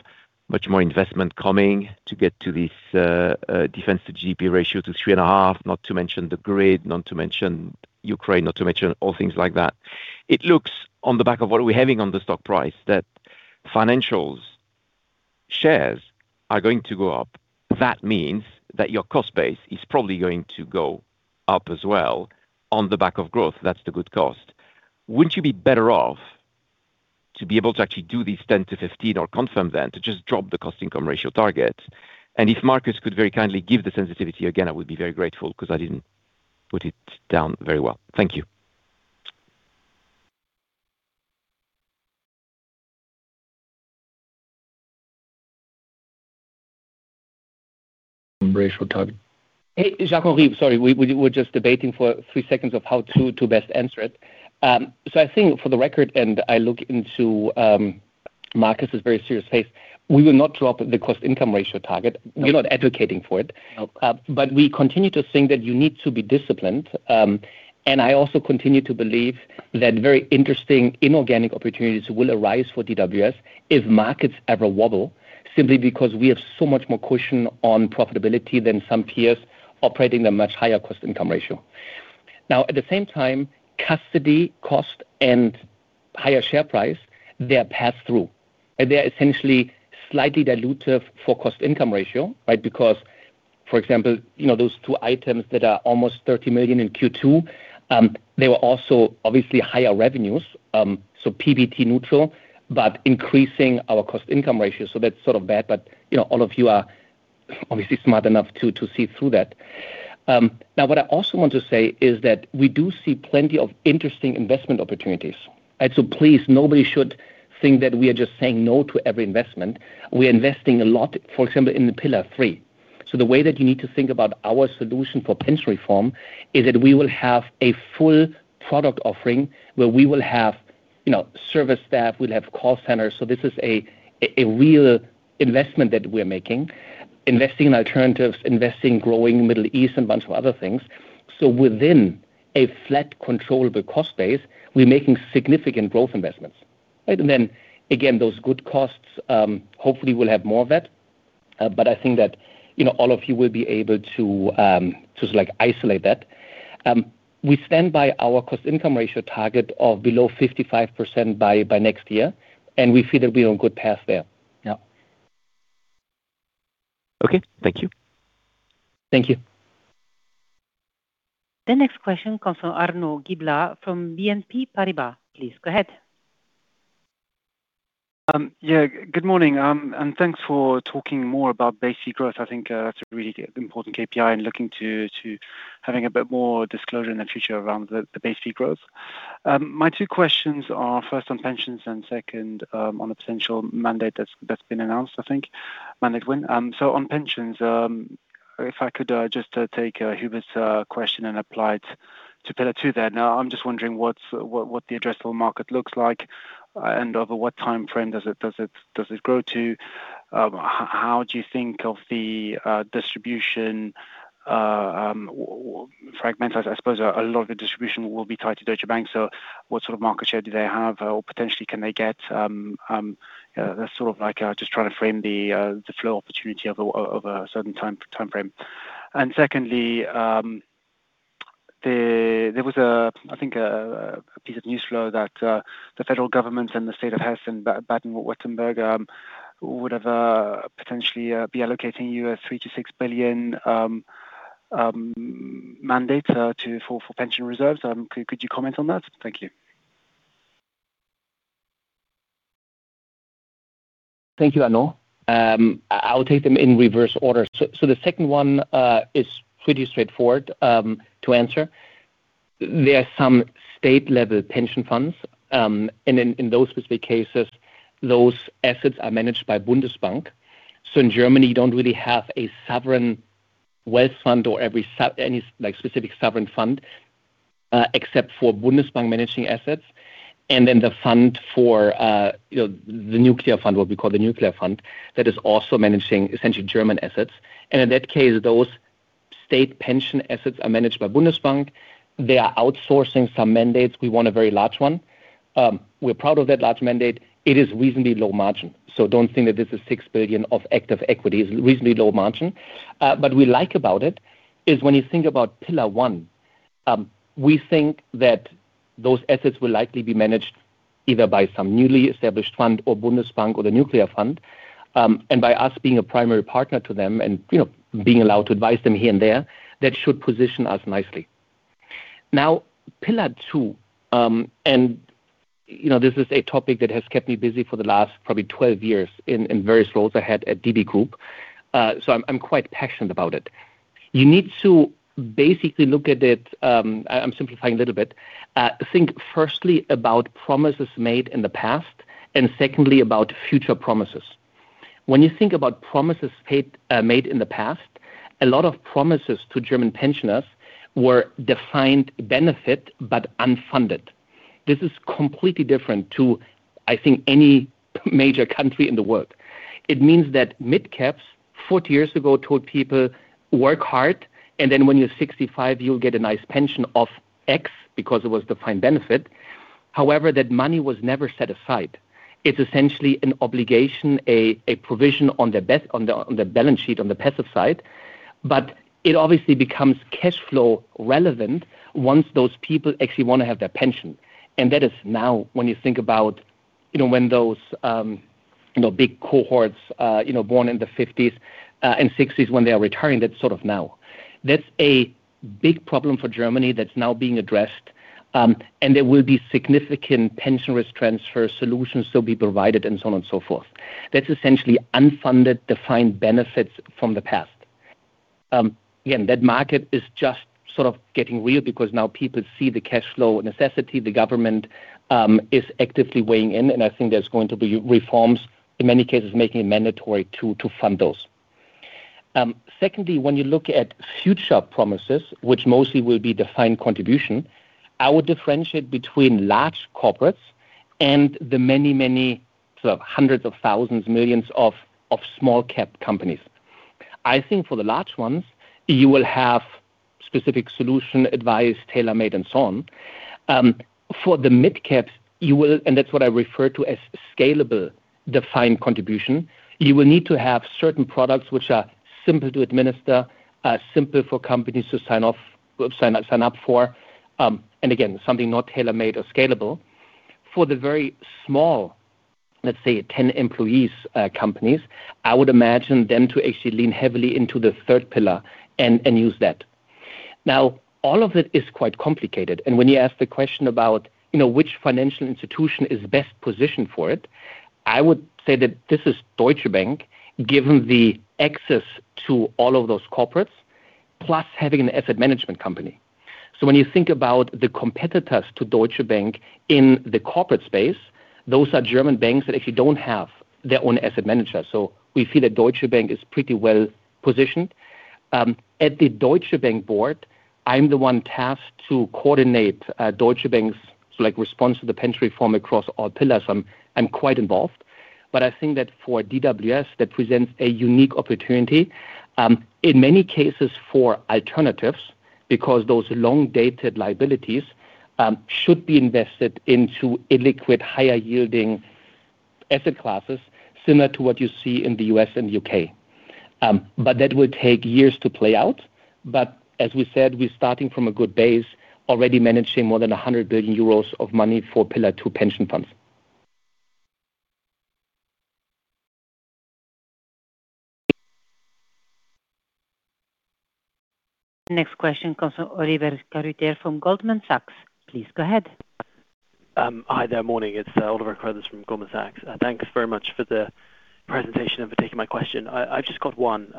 much more investment coming to get to this defense to GDP ratio to 3.5, not to mention the grid, not to mention Ukraine, not to mention all things like that. It looks on the back of what we're having on the stock price, that financials shares are going to go up. That means that your cost base is probably going to go up as well on the back of growth. That's the good cost. Wouldn't you be better off to be able to actually do these 10%-15% or confirm then to just drop the cost-income ratio target? If Markus could very kindly give the sensitivity again, I would be very grateful because I didn't put it down very well. Thank you. Ratio target. Hey, Jacques-Henri, sorry, we were just debating for three seconds of how to best answer it. I think for the record, and I look into Markus's very serious face, we will not drop the cost-income ratio target. We're not advocating for it. Nope. We continue to think that you need to be disciplined, and I also continue to believe that very interesting inorganic opportunities will arise for DWS if markets ever wobble, simply because we have so much more cushion on profitability than some peers operating a much higher cost-income ratio. At the same time, custody cost and higher share price, they are passed through. They are essentially slightly dilutive for cost-income ratio, because, for example, those two items that are almost 30 million in Q2, they were also obviously higher revenues, so PBT neutral, but increasing our cost-income ratio, so that's sort of bad, but all of you are obviously smart enough to see through that. What I also want to say is that we do see plenty of interesting investment opportunities. Please, nobody should think that we are just saying no to every investment. We are investing a lot, for example, in the Pillar 3. The way that you need to think about our solution for pension reform is that we will have a full product offering where we will have service staff, we'll have call centers, so this is a real investment that we're making, investing in alternatives, investing in growing Middle East, and bunch of other things. Within a flat controllable cost base, we're making significant growth investments, right? Again, those good costs, hopefully we'll have more of that, but I think that all of you will be able to isolate that. We stand by our cost-income ratio target of below 55% by next year, and we feel that we're on good path there. Yeah. Okay, thank you. Thank you. The next question comes from Arnaud Giblat from BNP Paribas. Please go ahead. Good morning, thanks for talking more about base fee growth. I think that's a really important KPI and looking to having a bit more disclosure in the future around the base fee growth. My two questions are first on pensions and second on the potential mandate that's been announced, I think, mandate win. On pensions, if I could just take Hubert's question and apply it to Pillar 2 there. I'm just wondering what the addressable market looks like, and over what timeframe does it grow to? How do you think of the distribution fragment? I suppose a lot of the distribution will be tied to Deutsche Bank, so what sort of market share do they have, or potentially can they get? That's sort of like just trying to frame the flow opportunity over a certain timeframe. Secondly, there was, I think, a piece of news flow that the federal government and the state of Hesse and Baden-Württemberg would have potentially be allocating you a 3 billion-6 billion mandate for pension reserves. Could you comment on that? Thank you. Thank you, Arnaud. I'll take them in reverse order. The second one is pretty straightforward to answer. There are some state-level pension funds, and in those specific cases, those assets are managed by Bundesbank. In Germany, you don't really have a sovereign wealth fund or any specific sovereign fund, except for Bundesbank managing assets, and then the fund for the nuclear fund, what we call the nuclear fund, that is also managing essentially German assets. In that case, those state pension assets are managed by Bundesbank. They are outsourcing some mandates. We won a very large one. We're proud of that large mandate. It is reasonably low margin. Don't think that this is 6 billion of active equity, it's reasonably low margin. What we like about it is when you think about Pillar 1, we think that those assets will likely be managed either by some newly established fund or Bundesbank or the nuclear fund. By us being a primary partner to them and being allowed to advise them here and there, that should position us nicely. Pillar 2, this is a topic that has kept me busy for the last probably 12 years in various roles I had at DB Group. I'm quite passionate about it. You need to basically look at it, I'm simplifying a little bit, think firstly about promises made in the past, and secondly about future promises. When you think about promises made in the past, a lot of promises to German pensioners were defined benefit, but unfunded. This is completely different to, I think, any major country in the world. It means that mid-caps 40 years ago told people, "Work hard, and then when you're 65, you'll get a nice pension of X," because it was defined benefit. However, that money was never set aside. It's essentially an obligation, a provision on the balance sheet on the passive side. It obviously becomes cash flow relevant once those people actually want to have their pension. That is now when you think about when those big cohorts born in the 50s and 60s, when they are retiring, that's sort of now. That's a big problem for Germany that's now being addressed, and there will be significant pension risk transfer solutions to be provided, and so on and so forth. That's essentially unfunded defined benefits from the past. That market is just sort of getting real because now people see the cash flow necessity. The government is actively weighing in. I think there's going to be reforms, in many cases making it mandatory to fund those. Secondly, when you look at future promises, which mostly will be defined contribution, I would differentiate between large corporates and the many sort of hundreds of thousands, millions of small-cap companies. I think for the large ones, you will have specific solution advice, tailor-made and so on. For the mid-caps, that's what I refer to as scalable defined contribution, you will need to have certain products which are simple to administer, are simple for companies to sign up for, and again, something not tailor-made or scalable. For the very small, let's say 10 employees companies, I would imagine them to actually lean heavily into the third pillar and use that. All of it is quite complicated. When you ask the question about which financial institution is best positioned for it, I would say that this is Deutsche Bank, given the access to all of those corporates, plus having an asset management company. When you think about the competitors to Deutsche Bank in the corporate space, those are German banks that actually don't have their own asset manager. We feel that Deutsche Bank is pretty well-positioned. At the Deutsche Bank board, I'm the one tasked to coordinate Deutsche Bank's response to the pension reform across all pillars, so I'm quite involved. I think that for DWS, that presents a unique opportunity, in many cases for alternatives, because those long-dated liabilities should be invested into illiquid, higher-yielding asset classes similar to what you see in the U.S. and U.K. That will take years to play out. As we said, we're starting from a good base, already managing more than 100 billion euros of money for Pillar 2 pension funds. Next question comes from Oliver Carruthers from Goldman Sachs. Please go ahead. Hi there. Morning. It's Oliver Carruthers from Goldman Sachs. Thanks very much for the presentation and for taking my question. I've just got one.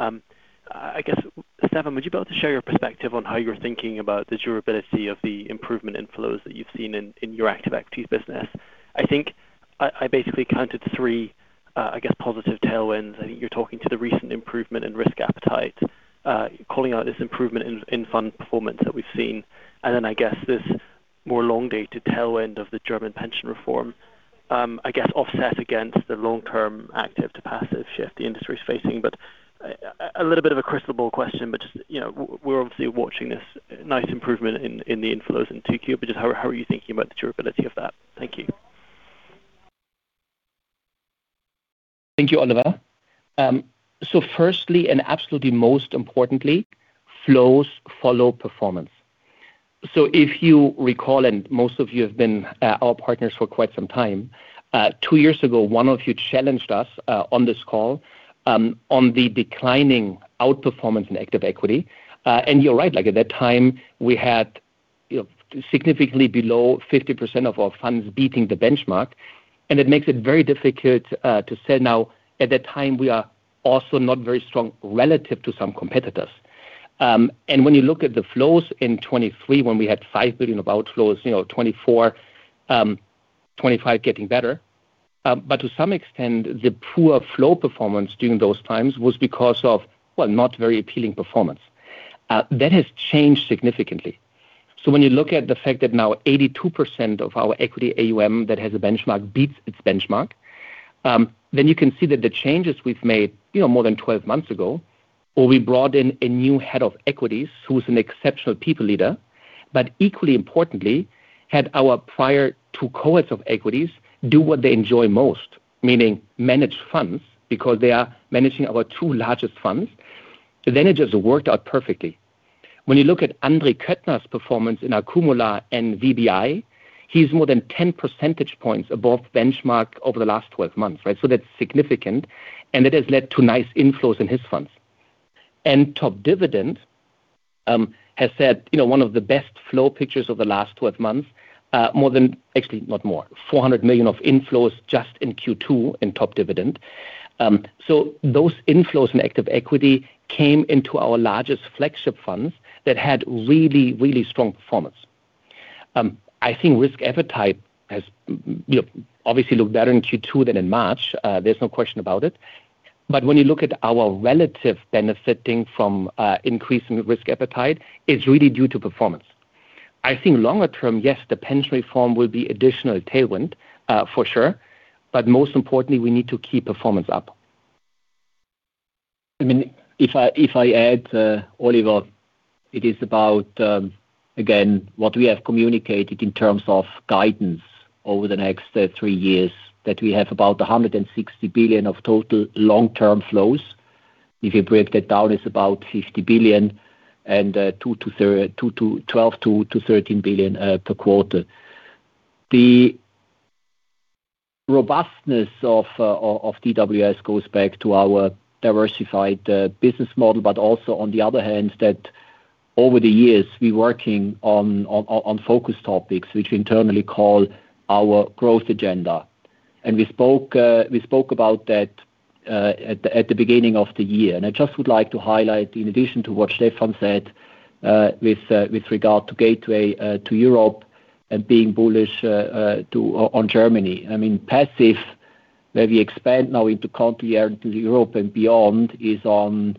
I guess, Stefan, would you be able to share your perspective on how you're thinking about the durability of the improvement inflows that you've seen in your active equities business? I think I basically counted three, I guess, positive tailwinds. I think you're talking to the recent improvement in risk appetite, calling out this improvement in fund performance that we've seen, and then I guess this more long-dated tailwind of the German pension reform, I guess offset against the long-term active to passive shift the industry is facing. A little bit of a crystal ball question, but just we're obviously watching this nice improvement in the inflows in 2Q, but just how are you thinking about the durability of that? Thank you. Thank you, Oliver. Firstly, and absolutely most importantly, flows follow performance. If you recall, and most of you have been our partners for quite some time, two years ago, one of you challenged us on this call on the declining outperformance in active equity. You're right. At that time, we had significantly below 50% of our funds beating the benchmark, and it makes it very difficult to sell now. At that time, we are also not very strong relative to some competitors. When you look at the flows in 2023, when we had 5 billion of outflows, 2024, 2025 getting better. To some extent, the poor flow performance during those times was because of, well, not very appealing performance. That has changed significantly. When you look at the fact that now 82% of our equity AUM that has a benchmark beats its benchmark, you can see that the changes we've made more than 12 months ago, where we brought in a new Head of Equities who's an exceptional people leader, but equally importantly, had our prior two cohorts of equities do what they enjoy most, meaning manage funds because they are managing our two largest funds, it just worked out perfectly. When you look at Andre Köttner's performance in Akkumula and VBI, he's more than 10 percentage points above benchmark over the last 12 months, right? That's significant, and it has led to nice inflows in his funds. Top Dividende has had one of the best flow pictures over the last 12 months, more than actually, not more, 400 million of inflows just in Q2 in Top Dividende. Those inflows in active equity came into our largest flagship funds that had really, really strong performance. I think risk appetite has obviously looked better in Q2 than in March. There's no question about it. When you look at our relative benefiting from increasing risk appetite, it's really due to performance. I think longer term, yes, the pension reform will be additional tailwind, for sure. Most importantly, we need to keep performance up. If I add, Oliver, it is about, again, what we have communicated in terms of guidance over the next three years, that we have about 160 billion of total long-term flows. If you break that down, it's about 50 billion and 12 billion-13 billion per quarter. The robustness of DWS goes back to our diversified business model, but also, on the other hand, that over the years, we're working on focus topics, which we internally call our growth agenda. We spoke about that at the beginning of the year. I just would like to highlight, in addition to what Stefan said with regard to gateway to Europe and being bullish on Germany. Passive, where we expand now into country, to Europe and beyond, is on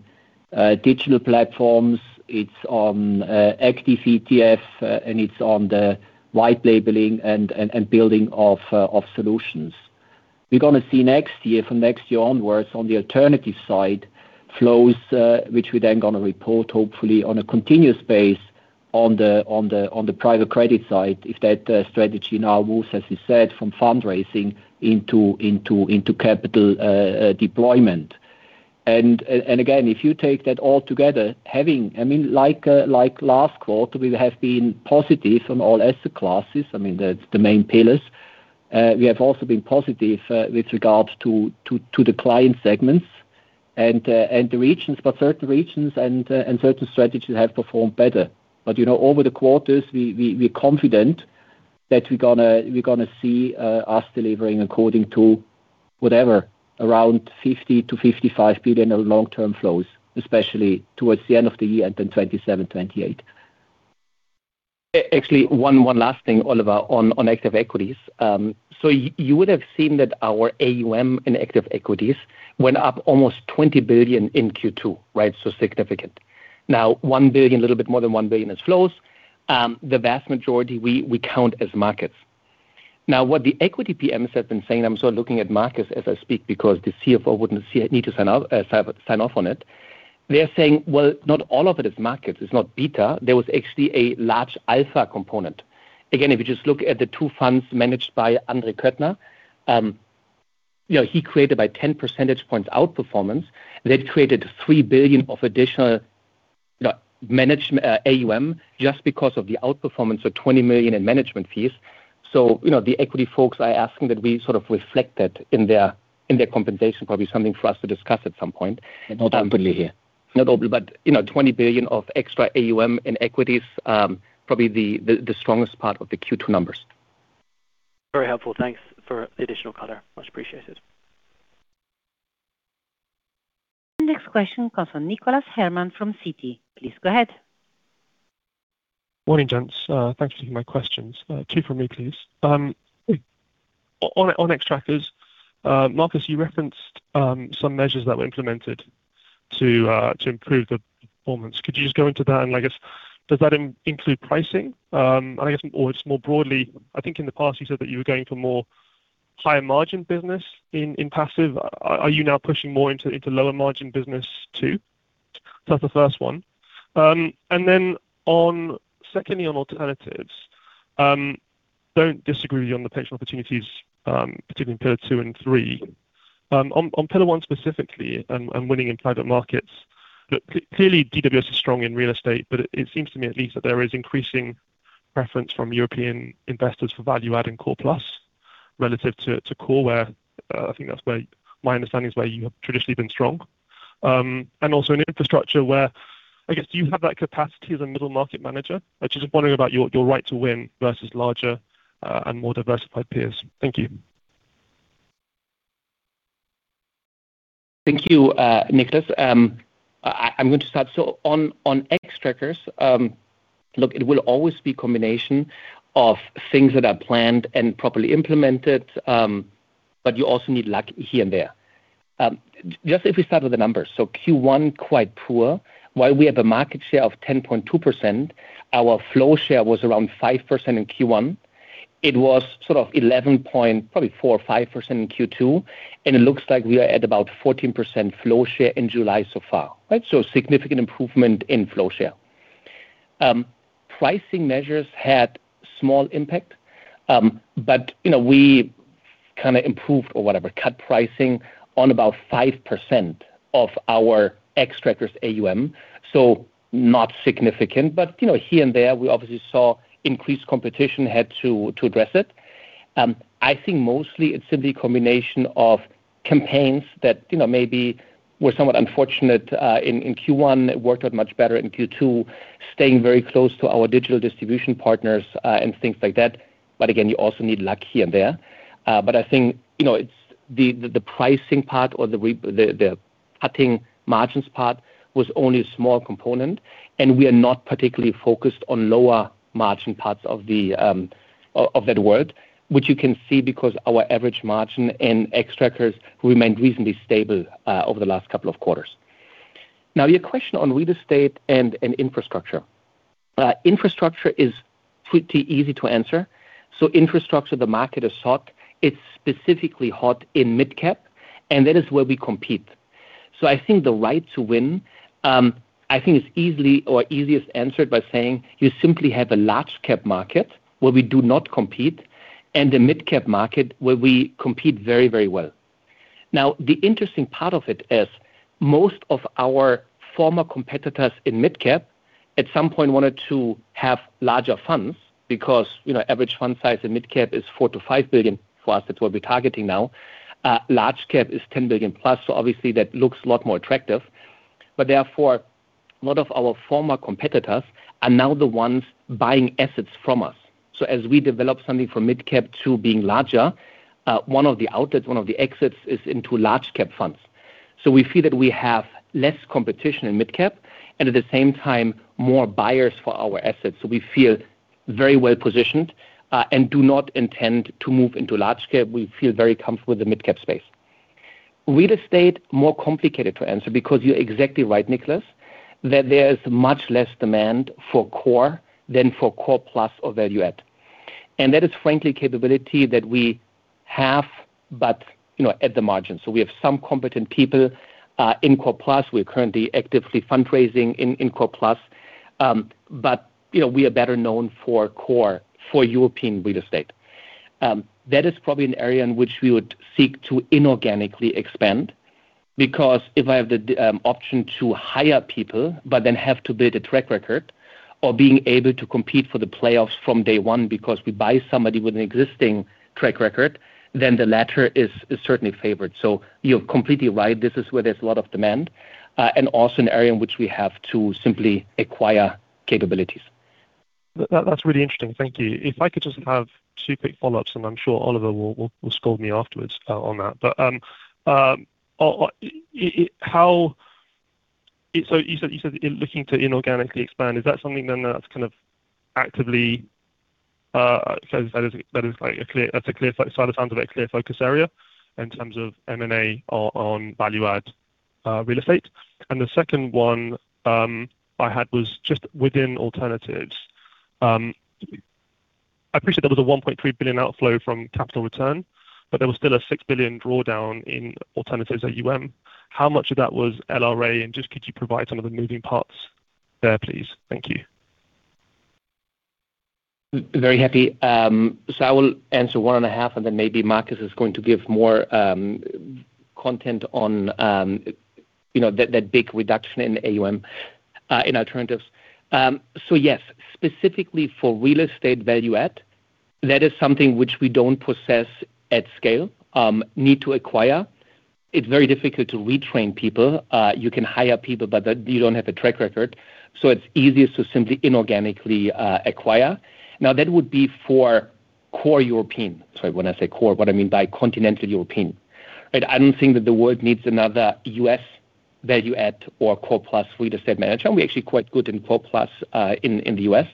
digital platforms, it's on active ETF, and it's on the white labeling and building of solutions. We're going to see next year, from next year onwards, on the alternative side, flows, which we're then going to report, hopefully, on a continuous base on the private credit side, if that strategy now moves, as we said, from fundraising into capital deployment. Again, if you take that all together, like last quarter, we have been positive on all asset classes, the main pillars. We have also been positive with regards to the client segments and the regions. Certain regions and certain strategies have performed better. Over the quarters, we're confident that we're going to see us delivering according to whatever, around 50 billion-55 billion of long-term flows, especially towards the end of the year and then 2027, 2028. One last thing, Oliver, on active equities. You would have seen that our AUM in active equities went up almost 20 billion in Q2, right? Significant. 1 billion, little bit more than 1 billion is flows. The vast majority, we count as markets. What the equity PMs have been saying, I'm sort of looking at Markus as I speak because the CFO wouldn't need to sign off on it. They're saying, "Well, not all of it is markets. It's not beta." There was actually a large alpha component. Again, if you just look at the two funds managed by Andre Köttner. He created by 10 percentage points outperformance. That created 3 billion of additional AUM just because of the outperformance of 20 million in management fees. The equity folks are asking that we sort of reflect that in their compensation. Probably something for us to discuss at some point. Not openly here. Not openly, 20 billion of extra AUM in equities, probably the strongest part of the Q2 numbers. Very helpful. Thanks for the additional color. Much appreciated. Next question comes from Nicholas Herman from Citi. Please go ahead. Morning, gents. Thanks for taking my questions. Two from me, please. On Xtrackers, Markus, you referenced some measures that were implemented to improve the performance. Could you just go into that and, does that include pricing? Or just more broadly, I think in the past you said that you were going for more higher margin business in passive. Are you now pushing more into lower margin business too? That's the first one. Secondly on alternatives, don't disagree with you on the potential opportunities, particularly in Pillar 2 and 3. On Pillar 1 specifically and winning in private markets, clearly DWS is strong in real estate, but it seems to me at least that there is increasing preference from European investors for value-add and core-plus relative to core, where I think that's my understanding is where you have traditionally been strong. Also in infrastructure where, do you have that capacity as a middle market manager? I'm just wondering about your right to win versus larger and more diversified peers. Thank you. Thank you, Nicholas. I'm going to start. On Xtrackers, look, it will always be combination of things that are planned and properly implemented, but you also need luck here and there. Just if we start with the numbers, Q1, quite poor. While we have a market share of 10.2%, our flow share was around 5% in Q1. It was sort of 11 point probably 4% or 5% in Q2, and it looks like we are at about 14% flow share in July so far, right? Significant improvement in flow share. Pricing measures had small impact, but we kind of improved or whatever, cut pricing on about 5% of our Xtrackers AUM, not significant. Here and there, we obviously saw increased competition, had to address it. I think mostly it's simply combination of campaigns that maybe were somewhat unfortunate in Q1, it worked out much better in Q2, staying very close to our digital distribution partners and things like that. Again, you also need luck here and there. I think, the pricing part or the cutting margins part was only a small component, and we are not particularly focused on lower margin parts of that word. Which you can see because our average margin in Xtrackers remained reasonably stable over the last couple of quarters. Your question on real estate and infrastructure. Infrastructure is pretty easy to answer. Infrastructure, the market is hot. It's specifically hot in midcap, and that is where we compete. I think the right to win, I think is easily or easiest answered by saying you simply have a large cap market where we do not compete, and a midcap market where we compete very well. The interesting part of it is most of our former competitors in midcap at some point wanted to have larger funds because average fund size in midcap is 4 billion-5 billion for us. That's what we're targeting now. Large cap is 10 billion+, so obviously that looks a lot more attractive. Lot of our former competitor are now the one buying assets from us. As we develop some of the midcap to being larger, one of the exits into large cap funds. So we see less competition in the mid caps and at the same time more buyers for our assets. We feel very well position and do not intend to move into large caps. We feel very good for the midcap space. Real estate more complicated to answer because you're exactly right, Nicholas. There much less demand for core than for core-plus of value-add. And there is frankly capability that we have, but, at the margin. With some competent people in core-plus, we currently actively fund raising in core-plus. We are better known for core for European real estate. That is probably an area in which we would seek to inorganically expand, because if I have the option to hire people, but then have to build a track record or being able to compete for the playoffs from day one because we buy somebody with an existing track record, then the latter is certainly favored. You're completely right. This is where there's a lot of demand, and also an area in which we have to simply acquire capabilities. That's really interesting. Thank you. If I could just have two quick follow-ups, and I'm sure Oliver will scold me afterwards on that. You said looking to inorganically expand, is that something then that's kind of actively? That sounds like a clear focus area in terms of M&A on value-add real estate. The second one I had was just within alternatives. I appreciate there was a 1.3 billion outflow from capital return, but there was still a 6 billion drawdown in alternatives at AUM. How much of that was LRA? Could you provide some of the moving parts there, please? Thank you. Very happy. I will answer one and a half, and then maybe Markus is going to give more content on that big reduction in AUM in alternatives. Yes, specifically for real estate value-add, that is something which we don't possess at scale, need to acquire. It's very difficult to retrain people. You can hire people, but you don't have a track record, so it's easiest to simply inorganically acquire. Now, that would be for core European. Sorry, when I say core, what I mean by continental European. Right? I don't think that the world needs another U.S. value-add or core-plus real estate manager, and we're actually quite good in core-plus in the U.S.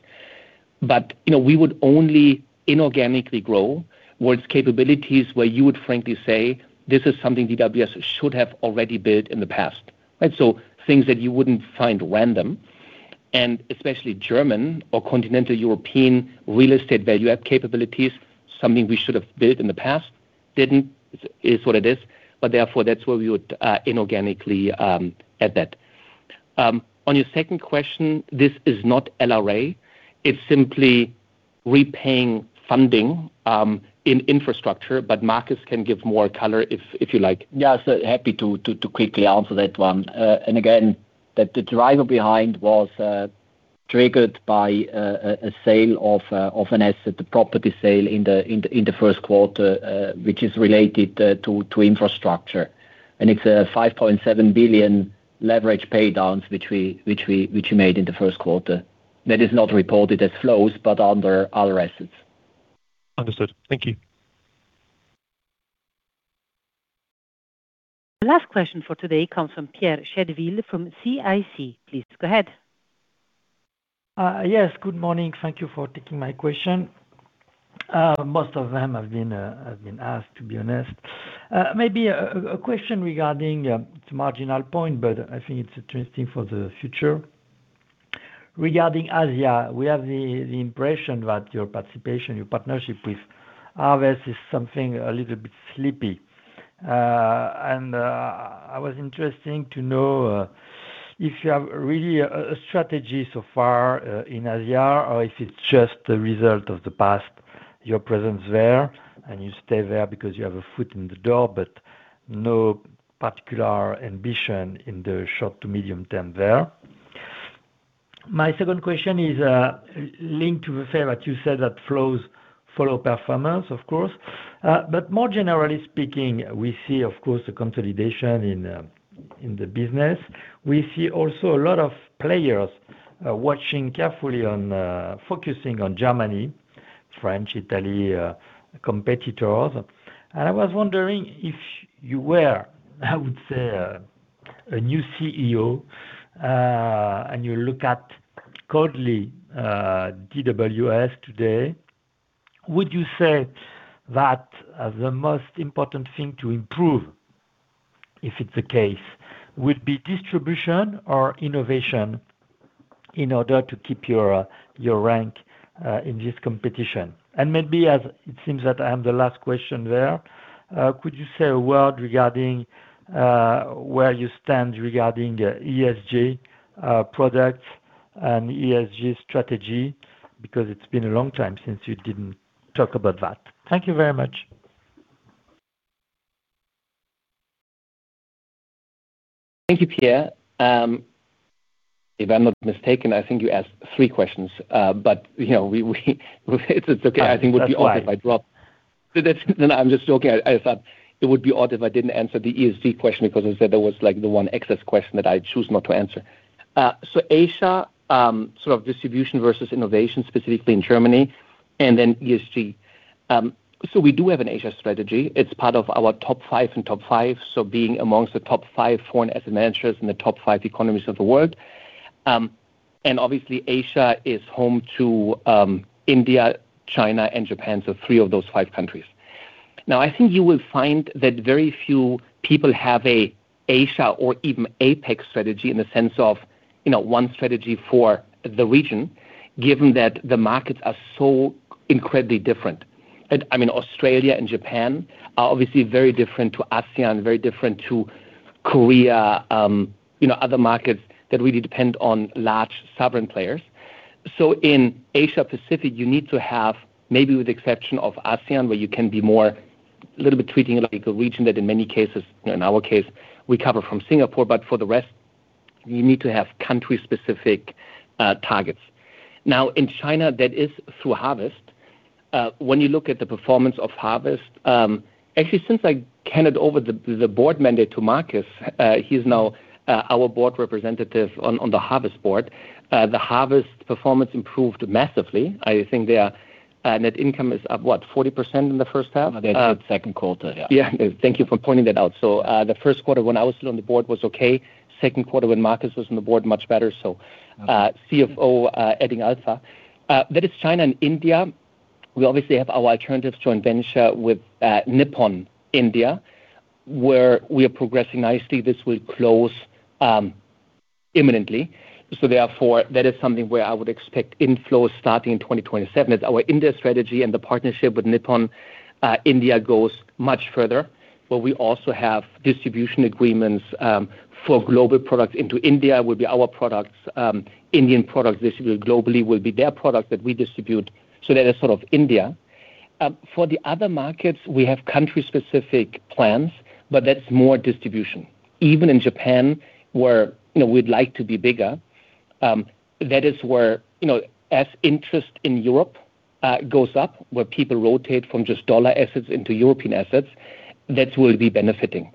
We would only inorganically grow towards capabilities where you would frankly say, this is something DWS should have already built in the past. Right? Things that you wouldn't find random, and especially German or continental European real estate value-add capabilities, something we should have built in the past, didn't, is what it is. Therefore, that's where we would inorganically add that. On your second question, this is not LRA. It's simply repaying funding in infrastructure, but Markus can give more color if you like. Yeah. Happy to quickly answer that one. Again, the driver behind was triggered by a sale of an asset, the property sale in the first quarter, which is related to infrastructure, and it's a 5.7 billion leverage paydowns which we made in the first quarter. That is not reported as flows, but under other assets. Understood. Thank you. The last question for today comes from Pierre Chédeville from CIC. Please go ahead. Yes. Good morning. Thank you for taking my question. Most of them have been asked, to be honest. Maybe a question regarding, it is a marginal point, but I think it is interesting for the future. Regarding Asia, we have the impression that your participation, your partnership with Ares is something a little bit sleepy. I was interesting to know if you have really a strategy so far in Asia, or if it is just a result of the past, your presence there, and you stay there because you have a foot in the door, but no particular ambition in the short to medium term there. My second question is linked to the fact you said that flows follow performance, of course. More generally speaking, we see, of course, the consolidation in the business. We see also a lot of players watching carefully on focusing on Germany, French, Italy, competitors. I was wondering if you were, I would say a new CEO, and you look at coldly DWS today, would you say that the most important thing to improve, if it is the case, would be distribution or innovation in order to keep your rank in this competition? Maybe as it seems that I am the last question there, could you say a word regarding where you stand regarding ESG products and ESG strategy? Because it has been a long time since you did not talk about that. Thank you very much. Thank you, Pierre. If I am not mistaken, I think you asked three questions. That's fine. I'm just joking. I thought it would be odd if I didn't answer the ESG question because I said that was the one excess question that I choose not to answer. Asia, sort of distribution versus innovation, specifically in Germany, and then ESG. We do have an Asia strategy. It's part of our top five and top five, so being amongst the top five foreign asset managers in the top five economies of the world. Obviously Asia is home to India, China, and Japan, so three of those five countries. I think you will find that very few people have a Asia or even APAC strategy in the sense of one strategy for the region, given that the markets are so incredibly different. I mean Australia and Japan are obviously very different to ASEAN, very different to Korea, other markets that really depend on large sovereign players. In Asia Pacific, you need to have, maybe with the exception of ASEAN, where you can be more a little bit treating it like a region that in many cases, in our case, we cover from Singapore. For the rest, you need to have country-specific targets. In China, that is through Harvest. When you look at the performance of Harvest, actually, since I handed over the board mandate to Markus, he is now our board representative on the Harvest board. The Harvest performance improved massively. I think their net income is up, what, 40% in the first half? No, that's second quarter, yeah. Thank you for pointing that out. The first quarter when I was still on the board was okay. Second quarter when Markus was on the board, much better, so CFO adding alpha. That is China and India. We obviously have our alternatives joint venture with Nippon India, where we are progressing nicely. This will close imminently. Therefore, that is something where I would expect inflows starting in 2027. It is our India strategy and the partnership with Nippon India goes much further, where we also have distribution agreements for global products into India, will be our products. Indian products distributed globally will be their product that we distribute. That is sort of India. For the other markets, we have country-specific plans, but that is more distribution. Even in Japan, where we would like to be bigger, that is where as interest in Europe goes up, where people rotate from just dollar assets into European assets, that will be benefiting.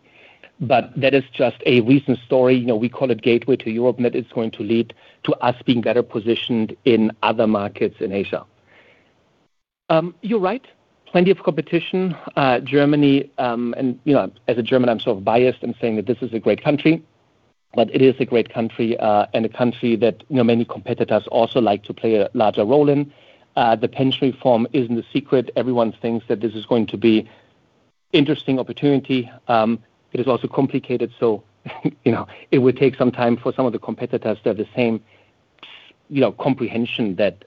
That is just a recent story. We call it gateway to Europe, that it is going to lead to us being better positioned in other markets in Asia. You are right, plenty of competition. Germany, as a German, I am sort of biased in saying that this is a great country, but it is a great country, and a country that many competitors also like to play a larger role in. The pension reform is not a secret. Everyone thinks that this is going to be interesting opportunity. It is also complicated, it will take some time for some of the competitors to have the same comprehension that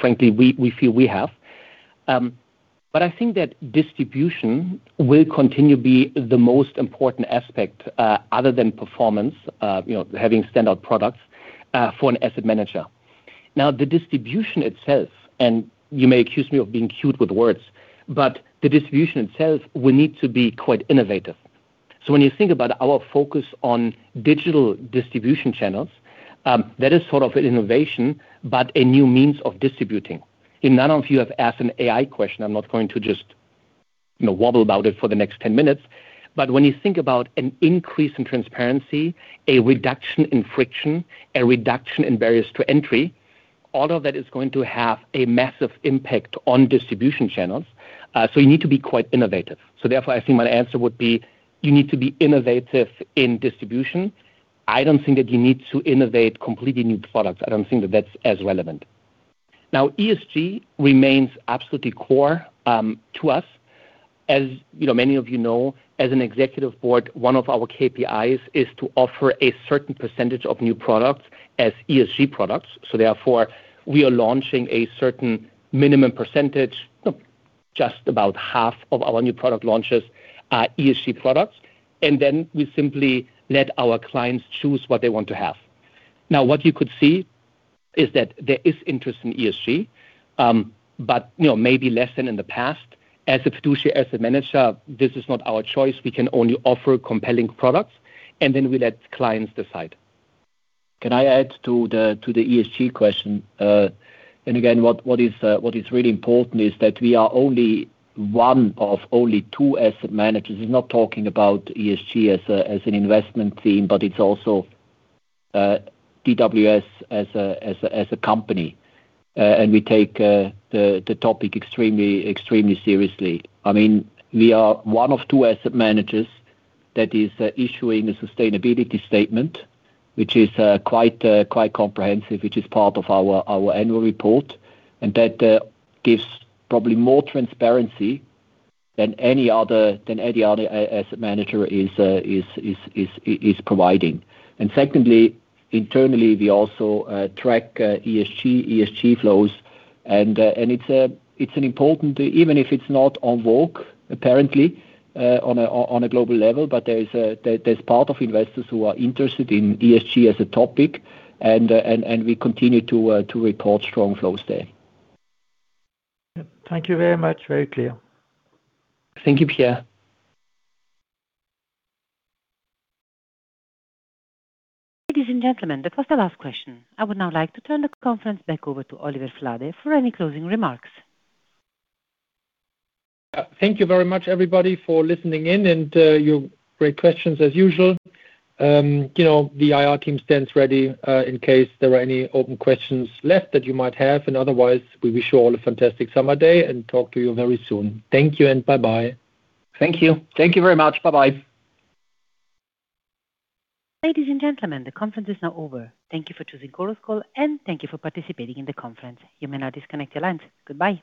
frankly, we feel we have. I think that distribution will continue be the most important aspect other than performance, having standout products for an asset manager. The distribution itself, you may accuse me of being cute with words, the distribution itself will need to be quite innovative. When you think about our focus on digital distribution channels, that is sort of innovation, but a new means of distributing. I know a few of you have asked an AI question. I am not going to just wobble about it for the next 10 minutes. When you think about an increase in transparency, a reduction in friction, a reduction in barriers to entry, all of that is going to have a massive impact on distribution channels, you need to be quite innovative. Therefore, I think my answer would be you need to be innovative in distribution. I do not think that you need to innovate completely new products. I do not think that that is as relevant. ESG remains absolutely core to us. As many of you know, as an executive board, one of our KPIs is to offer a certain percentage of new products as ESG products. Therefore, we are launching a certain minimum percentage, just about half of our new product launches are ESG products. We simply let our clients choose what they want to have. What you could see is that there is interest in ESG, but maybe less than in the past. As a fiduciary asset manager, this is not our choice. We can only offer compelling products, we let clients decide. Can I add to the ESG question? Again, what is really important is that we are only one of only two asset managers. It's not talking about ESG as an investment theme, but it's also DWS as a company. We take the topic extremely seriously. I mean, we are one of two asset managers that is issuing a sustainability statement, which is quite comprehensive, which is part of our annual report, and that gives probably more transparency than any other asset manager is providing. Secondly, internally, we also track ESG flows. It's an important, even if it's not en vogue, apparently, on a global level, but there's part of investors who are interested in ESG as a topic, and we continue to report strong flows there. Thank you very much. Very clear. Thank you, Pierre. Ladies and gentlemen, that was the last question. I would now like to turn the conference back over to Oliver Flade for any closing remarks. Thank you very much, everybody, for listening in and your great questions as usual. The IR team stands ready in case there are any open questions left that you might have. Otherwise, we wish you all a fantastic summer day, and talk to you very soon. Thank you, and bye-bye. Thank you. Thank you very much. Bye-bye. Ladies and gentlemen, the conference is now over. Thank you for choosing Chorus Call, and thank you for participating in the conference. You may now disconnect your lines. Goodbye.